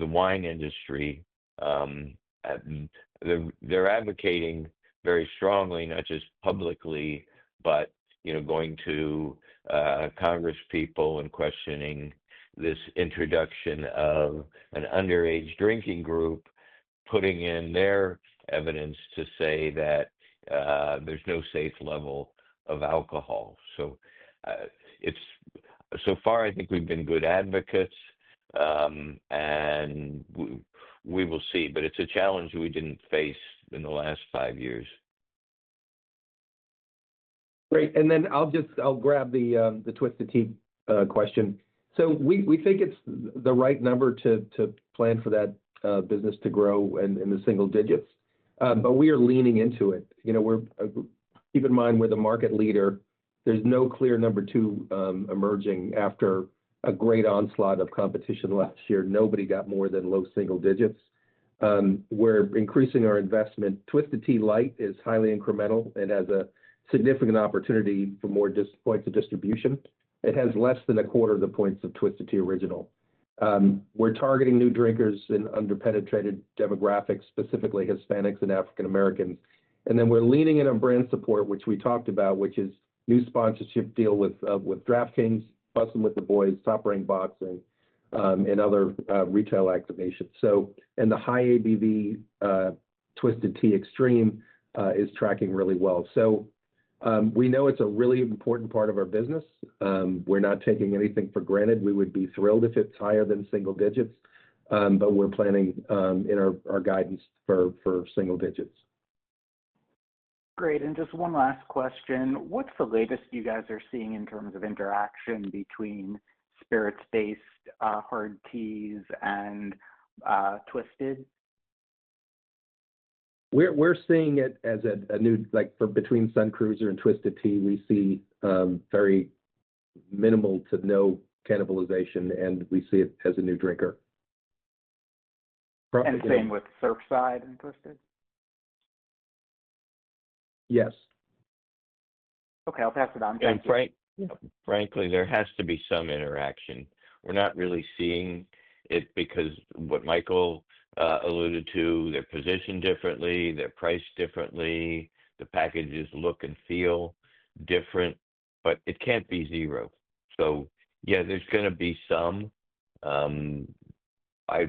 wine industry. They're advocating very strongly, not just publicly, but going to Congress people and questioning this introduction of an underage drinking group, putting in their evidence to say that there's no safe level of alcohol. So far, I think we've been good advocates, and we will see. But it's a challenge we didn't face in the last five years. Great. And then I'll grab the Twisted Tea question. So we think it's the right number to plan for that business to grow in the single digits, but we are leaning into it. Keep in mind, we're the market leader. There's no clear number two emerging after a great onslaught of competition last year. Nobody got more than low single digits. We're increasing our investment. Twisted Tea Light is highly incremental. It has a significant opportunity for more points of distribution. It has less than a quarter of the points of Twisted Tea Original. We're targeting new drinkers in underpenetrated demographics, specifically Hispanics and African Americans. Then we're leaning in on brand support, which we talked about, which is new sponsorship deal with DraftKings, Bussin' With The Boys, Top Rank Boxing, and other retail activations. The high ABV Twisted Tea Extreme is tracking really well. So we know it's a really important part of our business. We're not taking anything for granted. We would be thrilled if it's higher than single digits, but we're planning in our guidance for single digits. Great. Just one last question. What's the latest you guys are seeing in terms of interaction between spirits-based hard teas and Twisted Tea? We're seeing it as net new between Sun Cruiser and Twisted Tea. We see very minimal to no cannibalization, and we see it as a new drinker. And same with Surfside and Twisted? Yes. Okay. I'll pass it on. Frankly, there has to be some interaction. We're not really seeing it because what Michael alluded to, they're positioned differently. They're priced differently. The packages look and feel different, but it can't be zero. So yeah, there's going to be some. I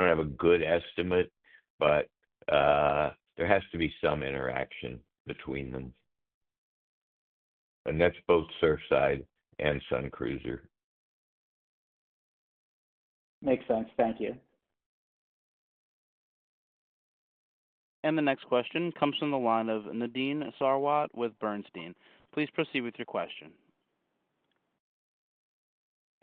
don't have a good estimate, but there has to be some interaction between them. And that's both Surfside and Sun Cruiser. Makes sense. Thank you. And the next question comes from the line of Nadine Sarwat with Bernstein. Please proceed with your question.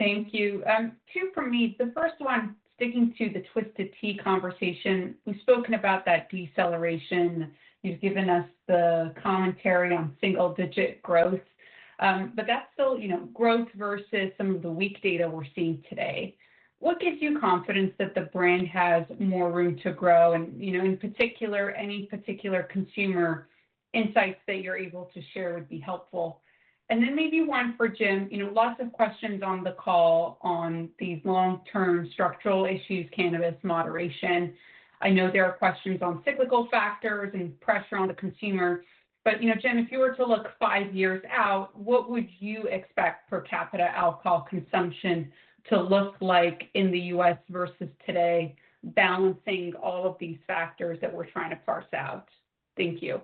Thank you. Two for me. The first one, sticking to the Twisted Tea conversation, we've spoken about that deceleration. You've given us the commentary on single-digit growth, but that's still growth versus some of the weak data we're seeing today. What gives you confidence that the brand has more room to grow? And in particular, any particular consumer insights that you're able to share would be helpful. And then maybe one for Jim. Lots of questions on the call on these long-term structural issues, cannabis moderation. I know there are questions on cyclical factors and pressure on the consumer. But Jim, if you were to look five years out, what would you expect per capita alcohol consumption to look like in the U.S. versus today, balancing all of these factors that we're trying to parse out? Thank you.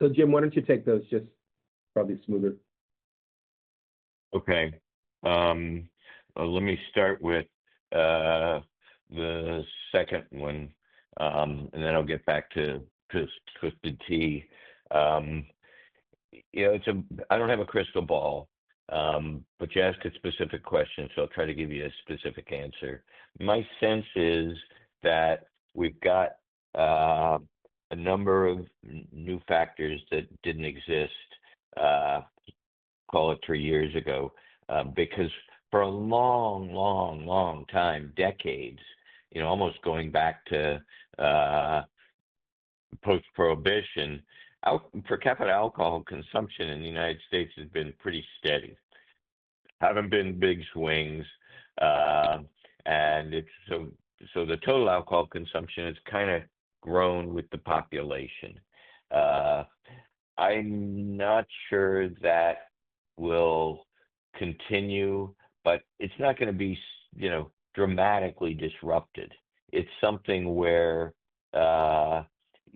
So Jim, why don't you take those? Just probably smoother. Okay. Let me start with the second one, and then I'll get back to Twisted Tea. I don't have a crystal ball, but you asked a specific question, so I'll try to give you a specific answer. My sense is that we've got a number of new factors that didn't exist, call it, three years ago because for a long, long, long time, decades, almost going back to post-prohibition, per capita alcohol consumption in the United States has been pretty steady. Haven't been big swings. And so the total alcohol consumption has kind of grown with the population. I'm not sure that will continue, but it's not going to be dramatically disrupted. It's something where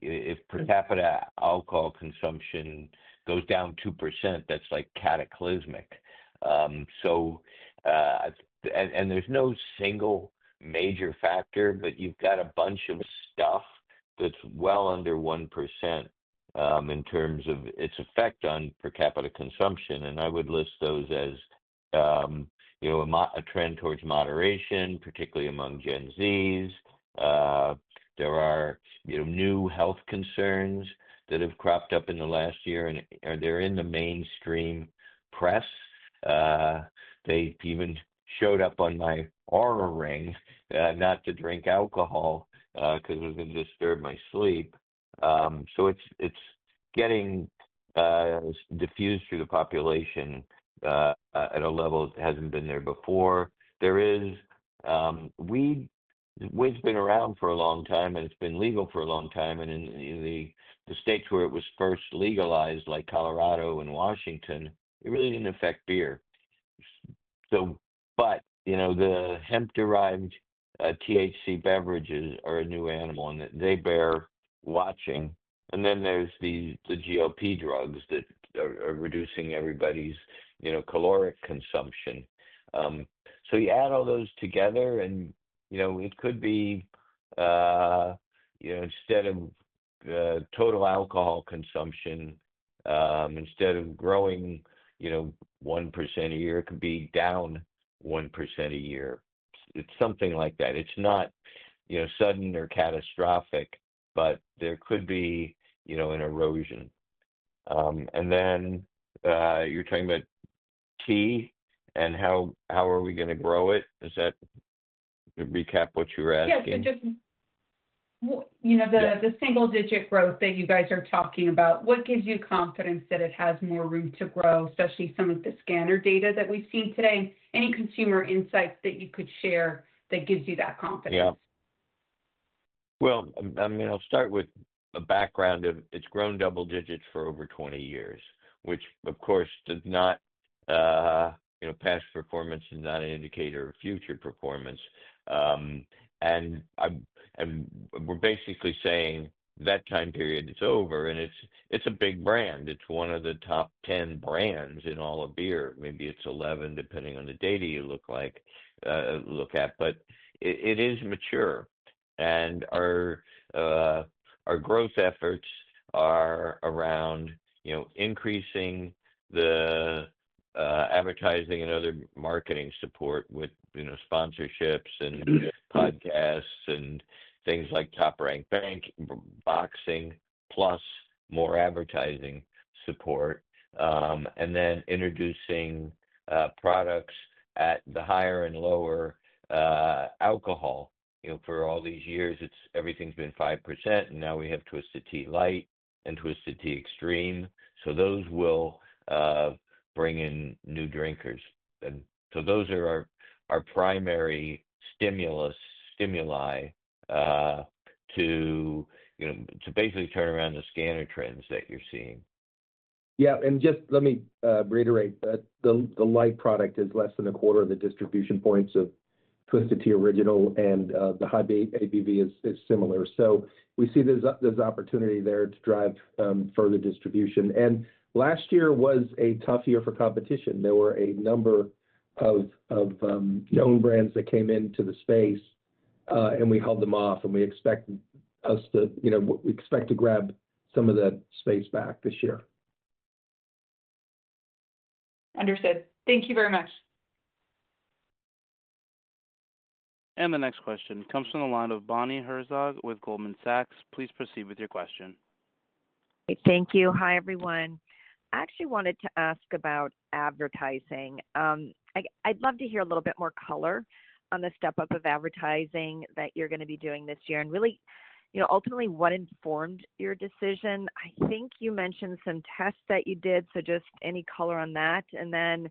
if per capita alcohol consumption goes down 2%, that's cataclysmic. And there's no single major factor, but you've got a bunch of stuff that's well under 1% in terms of its effect on per capita consumption. And I would list those as a trend towards moderation, particularly among Gen Zs. There are new health concerns that have cropped up in the last year, and they're in the mainstream press. They even showed up on my Oura Ring not to drink alcohol because it was going to disturb my sleep. So it's getting diffused through the population at a level that hasn't been there before. Weed's been around for a long time, and it's been legal for a long time, and in the states where it was first legalized, like Colorado and Washington, it really didn't affect beer, but the hemp-derived THC beverages are a new animal, and they bear watching, and then there's the GLP drugs that are reducing everybody's caloric consumption, so you add all those together, and it could be instead of total alcohol consumption, instead of growing 1% a year, it could be down 1% a year. It's something like that. It's not sudden or catastrophic, but there could be an erosion. And then you're talking about tea and how are we going to grow it? Does that recap what you were asking? Yeah. The single-digit growth that you guys are talking about, what gives you confidence that it has more room to grow, especially some of the scanner data that we've seen today? Any consumer insights that you could share that gives you that confidence? Yeah. Well, I mean, I'll start with a background of it's grown double digits for over 20 years, which, of course, past performance is not an indicator of future performance. And we're basically saying that time period is over, and it's a big brand. It's one of the top 10 brands in all of beer. Maybe it's 11, depending on the data you look at. But it is mature, and our growth efforts are around increasing the advertising and other marketing support with sponsorships and podcasts and things like Top Rank Boxing plus more advertising support. And then introducing products at the higher and lower alcohol. For all these years, everything's been 5%, and now we have Twisted Tea Light and Twisted Tea Extreme. So those will bring in new drinkers. And so those are our primary stimuli to basically turn around the scanner trends that you're seeing. Yeah. And just let me reiterate that the Light product is less than a quarter of the distribution points of Twisted Tea Original, and the high ABV is similar. So we see there's opportunity there to drive further distribution. And last year was a tough year for competition. There were a number of known brands that came into the space, and we held them off, and we expect to grab some of that space back this year. Understood. Thank you very much. And the next question comes from the line of Bonnie Herzog with Goldman Sachs. Please proceed with your question. Thank you. Hi, everyone. I actually wanted to ask about advertising. I'd love to hear a little bit more color on the step-up of advertising that you're going to be doing this year. And really, ultimately, what informed your decision? I think you mentioned some tests that you did, so just any color on that. And then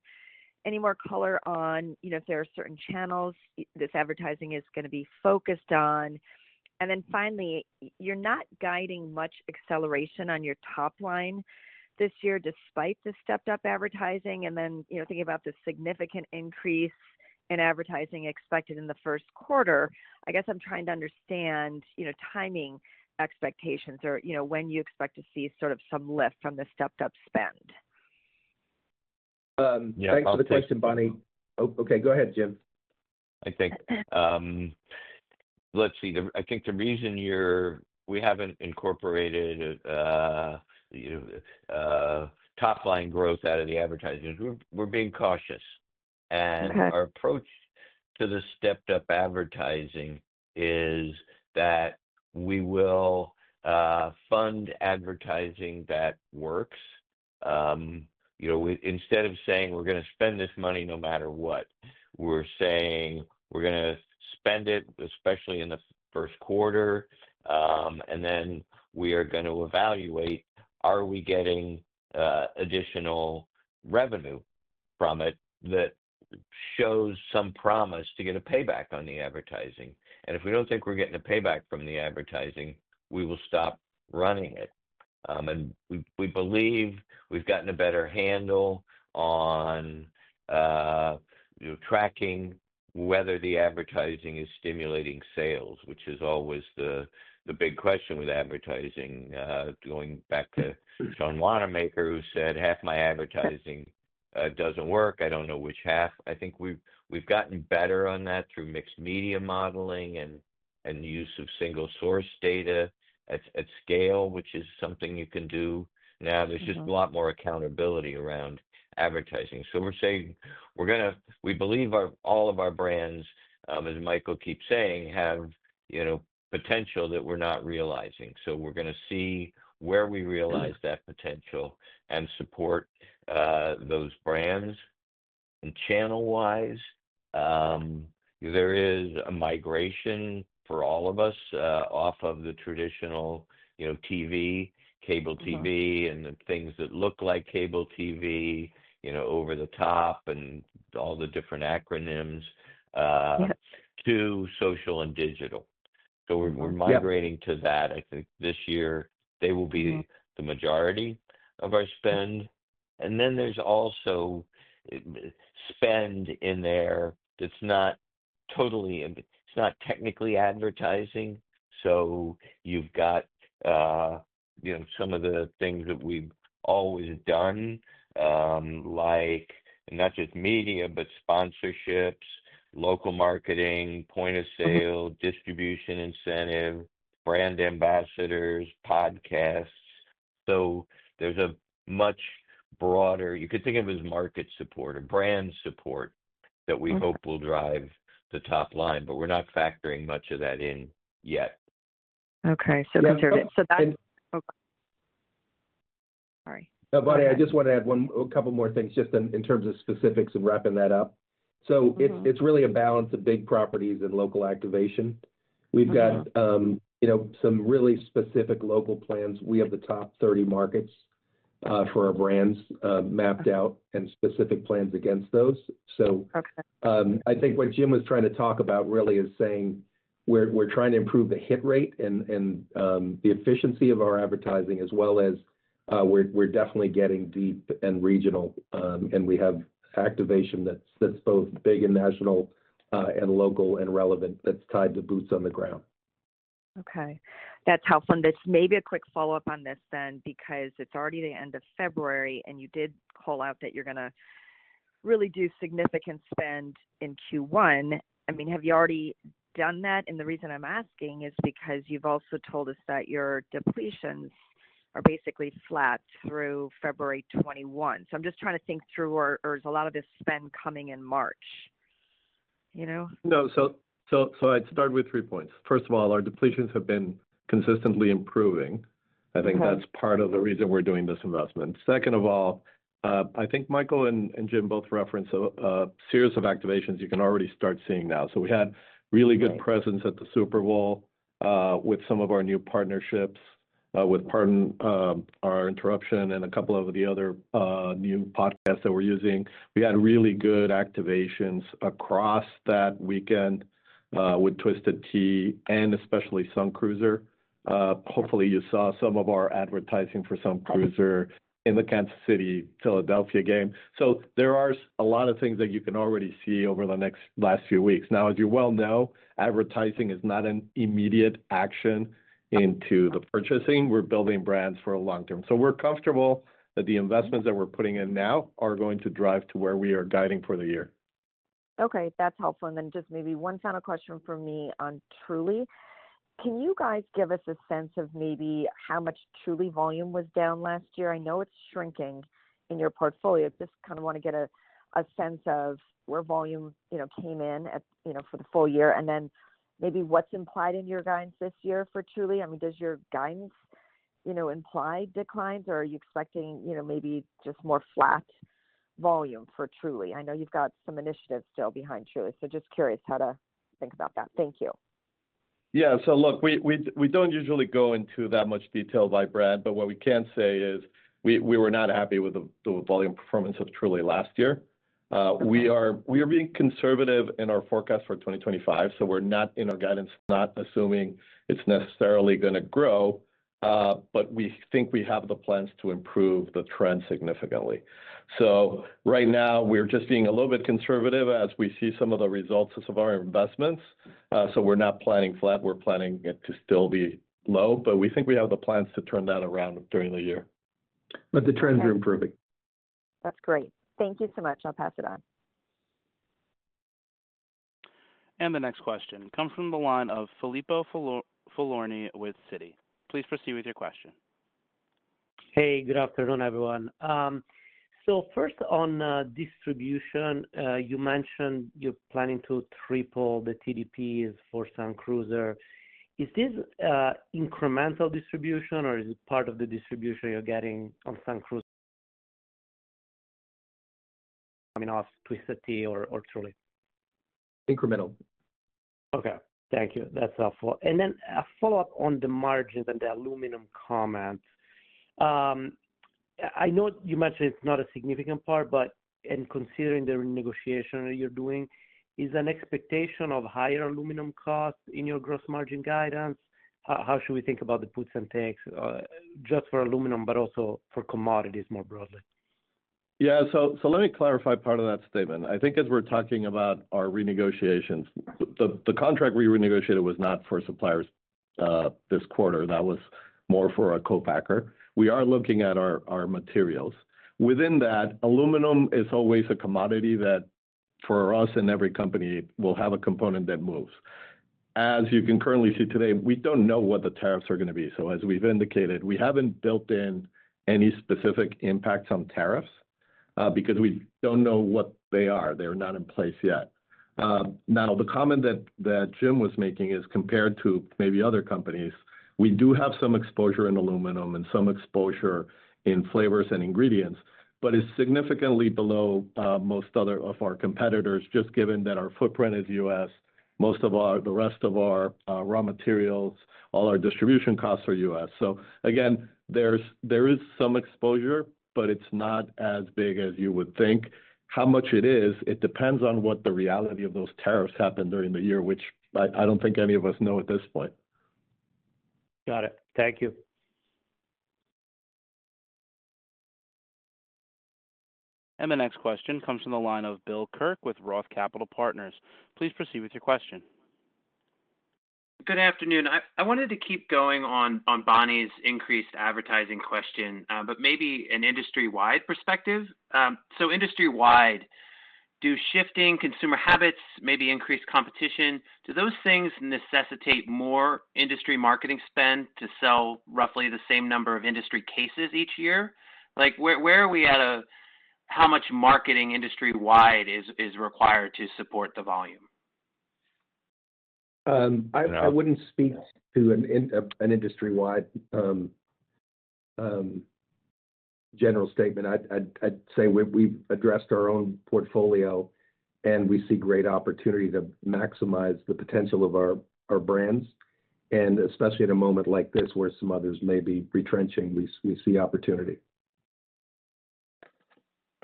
any more color on if there are certain channels this advertising is going to be focused on. And then finally, you're not guiding much acceleration on your top line this year despite the stepped-up advertising. Then thinking about the significant increase in advertising expected in the first quarter, I guess I'm trying to understand timing expectations or when you expect to see sort of some lift from the stepped-up spend? Yeah. Thanks for the question, Bonnie. Okay. Go ahead, Jim. I think let's see. I think the reason we haven't incorporated top-line growth out of the advertising is we're being cautious, and our approach to the stepped-up advertising is that we will fund advertising that works. Instead of saying, "We're going to spend this money no matter what," we're saying, "We're going to spend it, especially in the first quarter, and then we are going to evaluate, are we getting additional revenue from it that shows some promise to get a payback on the advertising? And if we don't think we're getting a payback from the advertising, we will stop running it." We believe we've gotten a better handle on tracking whether the advertising is stimulating sales, which is always the big question with advertising. Going back to John Wanamaker, who said, "Half my advertising doesn't work. I don't know which half." I think we've gotten better on that through media mix modeling and the use of single-source data at scale, which is something you can do. Now, there's just a lot more accountability around advertising. We're saying we believe all of our brands, as Michael keeps saying, have potential that we're not realizing. We're going to see where we realize that potential and support those brands. And channel-wise, there is a migration for all of us off of the traditional TV, cable TV, and the things that look like cable TV over the top and all the different acronyms to social and digital. So we're migrating to that. I think this year, they will be the majority of our spend. And then there's also spend in there that's not totally. It's not technically advertising. So you've got some of the things that we've always done, like not just media, but sponsorships, local marketing, point of sale, distribution incentive, brand ambassadors, podcasts. So there's a much broader. You could think of it as market support or brand support that we hope will drive the top line, but we're not factoring much of that in yet. Okay. So conservative. Okay. Sorry. No, Bonnie, I just want to add one couple more things just in terms of specifics and wrapping that up. So it's really a balance of big properties and local activation. We've got some really specific local plans. We have the top 30 markets for our brands mapped out and specific plans against those. So I think what Jim was trying to talk about really is saying we're trying to improve the hit rate and the efficiency of our advertising as well as we're definitely getting deep and regional, and we have activation that's both big and national and local and relevant that's tied to boots on the ground. Okay. That's helpful. Maybe a quick follow-up on this then because it's already the end of February, and you did call out that you're going to really do significant spend in Q1. I mean, have you already done that? The reason I'm asking is because you've also told us that your depletions are basically flat through February 2021. So I'm just trying to think through, or is a lot of this spend coming in March? No. So I'd start with three points. First of all, our depletions have been consistently improving. I think that's part of the reason we're doing this investment. Second of all, I think Michael and Jim both referenced a series of activations you can already start seeing now. So we had really good presence at the Super Bowl with some of our new partnerships with Pardon My Take and a couple of the other new podcasts that we're using. We had really good activations across that weekend with Twisted Tea and especially Sun Cruiser. Hopefully, you saw some of our advertising for Sun Cruiser in the Kansas City, Philadelphia game. So there are a lot of things that you can already see over the last few weeks. Now, as you well know, advertising is not an immediate action into the purchasing. We're building brands for a long term. So we're comfortable that the investments that we're putting in now are going to drive to where we are guiding for the year. Okay. That's helpful. And then just maybe one final question from me on Truly. Can you guys give us a sense of maybe how much Truly volume was down last year? I know it's shrinking in your portfolio. I just kind of want to get a sense of where volume came in for the full year and then maybe what's implied in your guidance this year for Truly. I mean, does your guidance imply declines, or are you expecting maybe just more flat volume for Truly? I know you've got some initiatives still behind Truly, so just curious how to think about that. Thank you. Yeah. So look, we don't usually go into that much detail by brand, but what we can say is we were not happy with the volume performance of Truly last year. We are being conservative in our forecast for 2025, so we're not in our guidance. Not assuming it's necessarily going to grow, but we think we have the plans to improve the trend significantly. So right now, we're just being a little bit conservative as we see some of the results of our investments. So we're not planning flat. We're planning to still be low, but we think we have the plans to turn that around during the year. But the trends are improving. That's great. Thank you so much. I'll pass it on. The next question comes from the line of Filippo Falorni with Citi. Please proceed with your question. Hey, good afternoon, everyone. So first, on distribution, you mentioned you're planning to triple the TDPs for Sun Cruiser. Is this incremental distribution, or is it part of the distribution you're getting on Sun Cruiser? I mean, off Twisted Tea or Truly? Incremental. Okay. Thank you. That's helpful. And then a follow-up on the margins and the aluminum comment. I know you mentioned it's not a significant part, but considering the renegotiation you're doing, is an expectation of higher aluminum costs in your gross margin guidance? How should we think about the puts and takes just for aluminum, but also for commodities more broadly? Yeah. So let me clarify part of that statement. I think as we're talking about our renegotiations, the contract we renegotiated was not for suppliers this quarter. That was more for a co-packer. We are looking at our materials. Within that, aluminum is always a commodity that for us and every company, we'll have a component that moves. As you can currently see today, we don't know what the tariffs are going to be. So as we've indicated, we haven't built in any specific impacts on tariffs because we don't know what they are. They're not in place yet. Now, the comment that Jim was making is compared to maybe other companies, we do have some exposure in aluminum and some exposure in flavors and ingredients, but it's significantly below most of our competitors just given that our footprint is U.S. Most of the rest of our raw materials, all our distribution costs are U.S. So again, there is some exposure, but it's not as big as you would think. How much it is, it depends on what the reality of those tariffs happened during the year, which I don't think any of us know at this point. Got it. Thank you. And the next question comes from the line of Bill Kirk with Roth MKM. Please proceed with your question. Good afternoon. I wanted to keep going on Bonnie's increased advertising question, but maybe an industry-wide perspective. So industry-wide, do shifting consumer habits maybe increase competition? Do those things necessitate more industry marketing spend to sell roughly the same number of industry cases each year? Where are we at how much marketing industry-wide is required to support the volume? I wouldn't speak to an industry-wide general statement. I'd say we've addressed our own portfolio, and we see great opportunity to maximize the potential of our brands. Especially at a moment like this where some others may be retrenching, we see opportunity.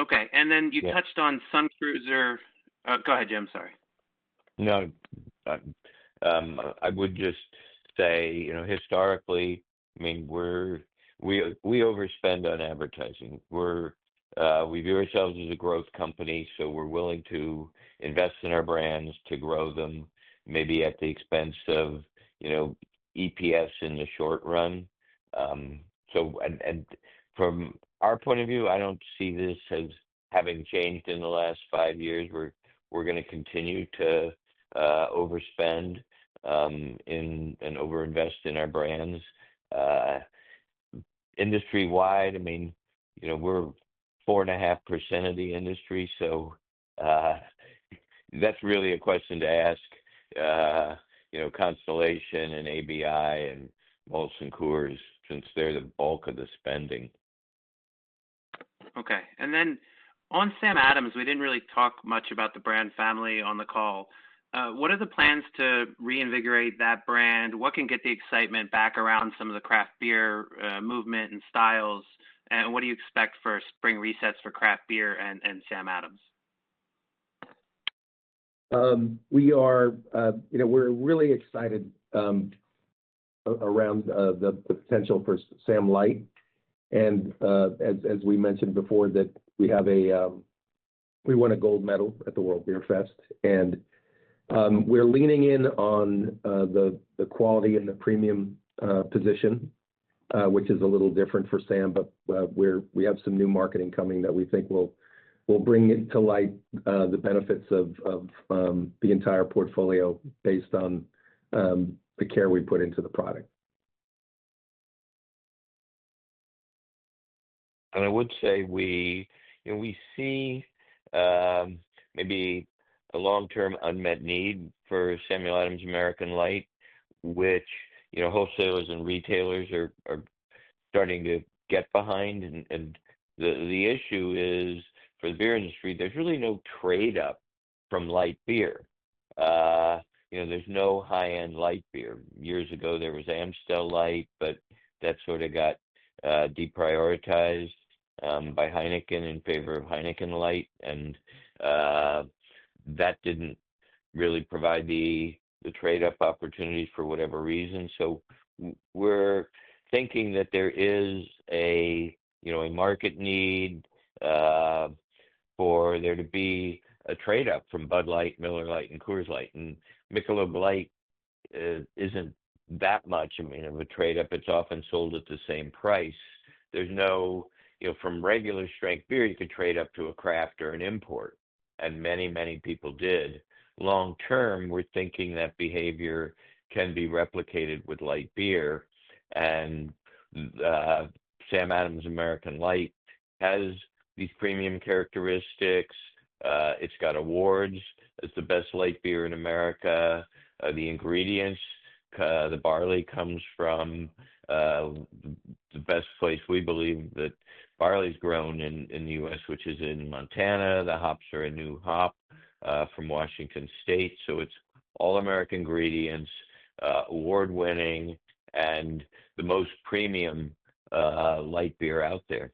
Okay. And then you touched on Sun Cruiser. Go ahead, Jim. Sorry. No. I would just say historically, I mean, we overspend on advertising. We view ourselves as a growth company, so we're willing to invest in our brands to grow them maybe at the expense of EPS in the short run. And from our point of view, I don't see this as having changed in the last five years. We're going to continue to overspend and overinvest in our brands. Industry-wide, I mean, we're 4.5% of the industry, so that's really a question to ask Constellation and ABI and Molson Coors since they're the bulk of the spending. Okay. And then on Sam Adams, we didn't really talk much about the brand family on the call. What are the plans to reinvigorate that brand? What can get the excitement back around some of the craft beer movement and styles? And what do you expect for spring resets for craft beer and Sam Adams? We are really excited around the potential for Sam Light. And as we mentioned before, we want a gold medal at the Great American Beer Festival. And we're leaning in on the quality and the premium position, which is a little different for Sam, but we have some new marketing coming that we think will bring to light the benefits of the entire portfolio based on the care we put into the product. And I would say we see maybe a long-term unmet need for Samuel Adams American Light, which wholesalers and retailers are starting to get behind. And the issue is for the beer industry, there's really no trade-up from light beer. There's no high-end light beer. Years ago, there was Amstel Light, but that sort of got deprioritized by Heineken in favor of Heineken Light. And that didn't really provide the trade-up opportunities for whatever reason. So we're thinking that there is a market need for there to be a trade-up from Bud Light, Miller Lite, and Coors Light. And Michelob Light isn't that much, I mean, of a trade-up. It's often sold at the same price. There's no from regular strength beer, you could trade up to a craft or an import, and many, many people did. Long-term, we're thinking that behavior can be replicated with light beer. And Sam Adams American Light has these premium characteristics. It's got awards as the best light beer in America. The ingredients, the barley comes from the best place we believe that barley's grown in the U.S., which is in Montana. The hops are a new hop from Washington State. It's all-American ingredients, award-winning, and the most premium light beer out there.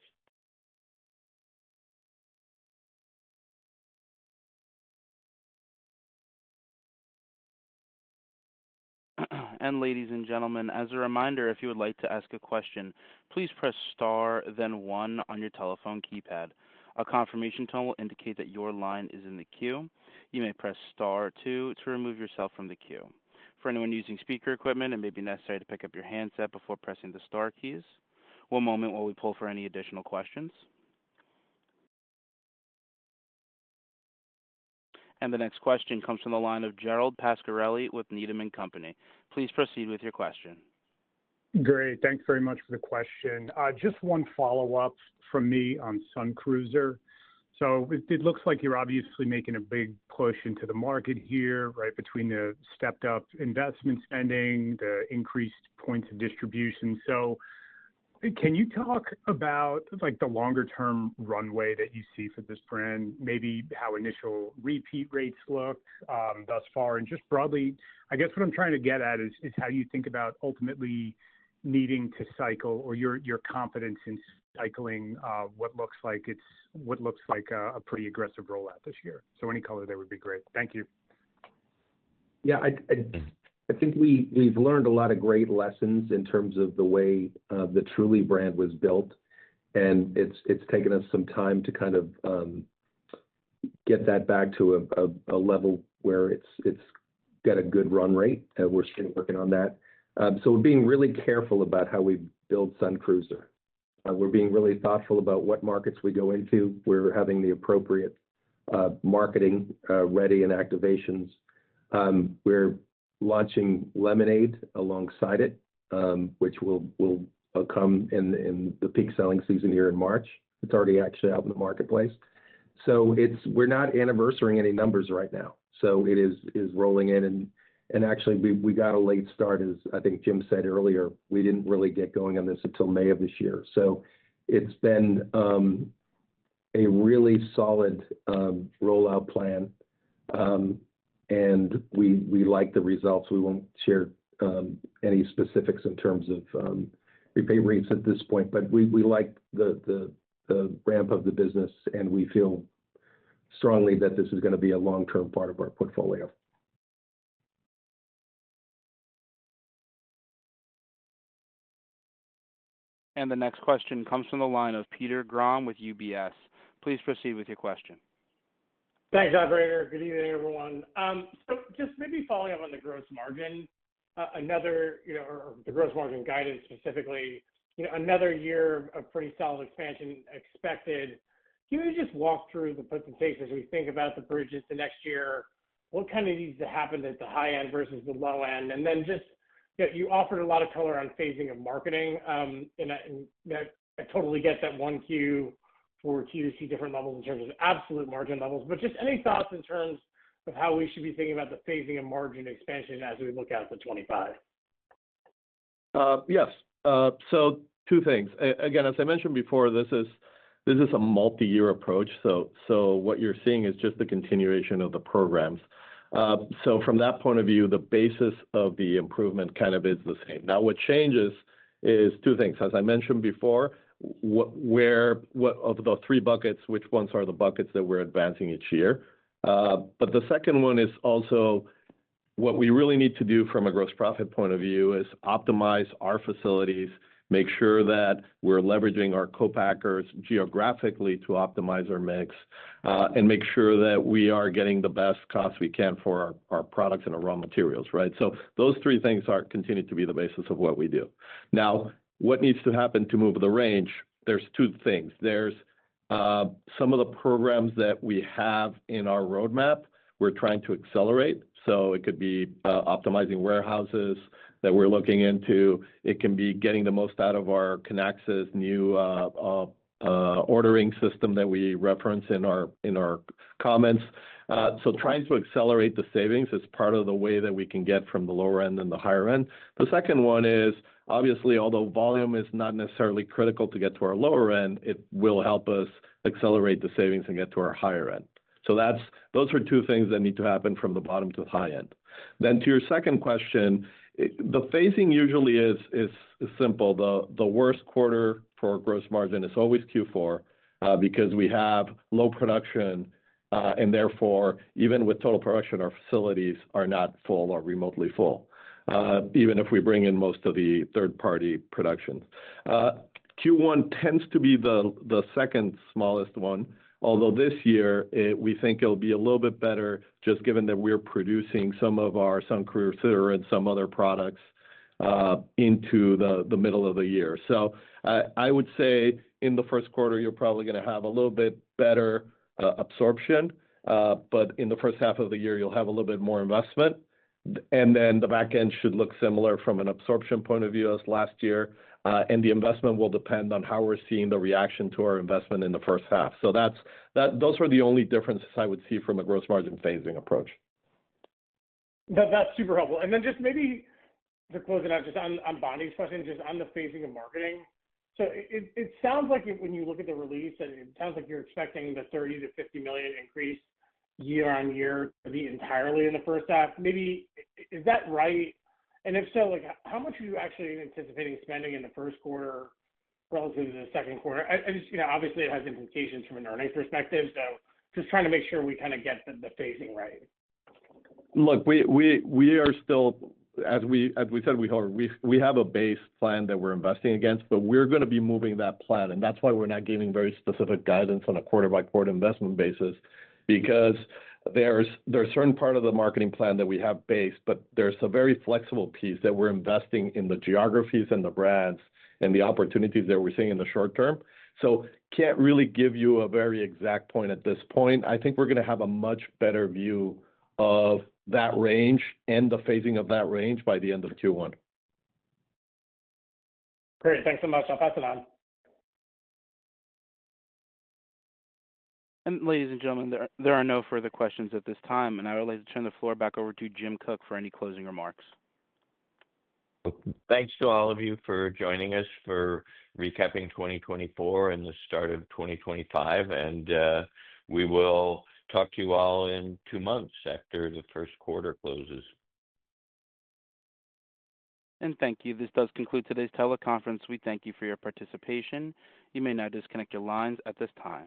Ladies and gentlemen, as a reminder, if you would like to ask a question, please press star, then one on your telephone keypad. A confirmation tone will indicate that your line is in the queue. You may press star two to remove yourself from the queue. For anyone using speaker equipment, it may be necessary to pick up your handset before pressing the Star keys. One moment while we pull for any additional questions. The next question comes from the line of Gerald Pascarelli with Wedbush Securities. Please proceed with your question. Great. Thanks very much for the question. Just one follow-up from me on Sun Cruiser. So it looks like you're obviously making a big push into the market here, right, between the stepped-up investment spending, the increased points of distribution. So can you talk about the longer-term runway that you see for this brand, maybe how initial repeat rates look thus far? And just broadly, I guess what I'm trying to get at is how you think about ultimately needing to cycle or your confidence in cycling what looks like a pretty aggressive rollout this year. So any color there would be great. Thank you. Yeah. I think we've learned a lot of great lessons in terms of the way the Truly brand was built. And it's taken us some time to kind of get that back to a level where it's got a good run rate. We're still working on that. So we're being really careful about how we build Sun Cruiser. We're being really thoughtful about what markets we go into. We're having the appropriate marketing ready and activations. We're launching lemonade alongside it, which will come in the peak selling season here in March. It's already actually out in the marketplace. So we're not anniversarying any numbers right now. So it is rolling in. And actually, we got a late start, as I think Jim said earlier. We didn't really get going on this until May of this year. So it's been a really solid rollout plan. And we like the results. We won't share any specifics in terms of repeat rates at this point, but we like the ramp of the business, and we feel strongly that this is going to be a long-term part of our portfolio. And the next question comes from the line of Peter Grom with UBS. Please proceed with your question. Thanks, operator. Good evening, everyone. So just maybe following up on the gross margin, or the gross margin guidance specifically, another year of pretty solid expansion expected. Can you just walk through the presentation as we think about the bridges to next year? What kind of needs to happen at the high end versus the low end? And then just you offered a lot of color on phasing of marketing. And I totally get that Q1, Q2, Q3, Q4 different levels in terms of absolute margin levels. But just any thoughts in terms of how we should be thinking about the phasing of margin expansion as we look at the 2025? Yes. So two things. Again, as I mentioned before, this is a multi-year approach. So what you're seeing is just the continuation of the programs. So from that point of view, the basis of the improvement kind of is the same. Now, what changes is two things. As I mentioned before, of the three buckets, which ones are the buckets that we're advancing each year? But the second one is also what we really need to do from a gross profit point of view is optimize our facilities, make sure that we're leveraging our co-packers geographically to optimize our mix, and make sure that we are getting the best cost we can for our products and our raw materials, right? So those three things continue to be the basis of what we do. Now, what needs to happen to move the range? There's two things. There's some of the programs that we have in our roadmap, we're trying to accelerate. So it could be optimizing warehouses that we're looking into. It can be getting the most out of our Kinaxis new ordering system that we reference in our comments. So trying to accelerate the savings is part of the way that we can get from the lower end and the higher end. The second one is, obviously, although volume is not necessarily critical to get to our lower end, it will help us accelerate the savings and get to our higher end. So those are two things that need to happen from the bottom to the high end. Then to your second question, the phasing usually is simple. The worst quarter for gross margin is always Q4 because we have low production. And therefore, even with total production, our facilities are not full or remotely full, even if we bring in most of the third-party production. Q1 tends to be the second smallest one, although this year, we think it'll be a little bit better just given that we're producing some of our Sun Cruiser and some other products into the middle of the year. So I would say in the first quarter, you're probably going to have a little bit better absorption. But in the first half of the year, you'll have a little bit more investment. And then the back end should look similar from an absorption point of view as last year. And the investment will depend on how we're seeing the reaction to our investment in the first half. So those were the only differences I would see from a gross margin phasing approach. That's super helpful. And then just maybe to close it out, just on Bonnie's question, just on the phasing of marketing. So it sounds like when you look at the release, it sounds like you're expecting the $30 million-$50 million increase year-on-year to be entirely in the first half. Maybe, is that right? And if so, how much are you actually anticipating spending in the first quarter relative to the second quarter? Obviously, it has implications from an earnings perspective. So just trying to make sure we kind of get the phasing right. Look, we are still, as we said, we have a base plan that we're investing against, but we're going to be moving that plan. And that's why we're not giving very specific guidance on a quarter-by-quarter investment basis because there's a certain part of the marketing plan that we have based, but there's a very flexible piece that we're investing in the geographies and the brands and the opportunities that we're seeing in the short term. So can't really give you a very exact point at this point. I think we're going to have a much better view of that range and the phasing of that range by the end of Q1. Great. Thanks so much. I'll pass it on. And ladies and gentlemen, there are no further questions at this time. And I would like to turn the floor back over to Jim Koch for any closing remarks. Thanks to all of you for joining us for recapping 2024 and the start of 2025. And we will talk to you all in two months after the first quarter closes. And thank you. This does conclude today's teleconference. We thank you for your participation. You may now disconnect your lines at this time.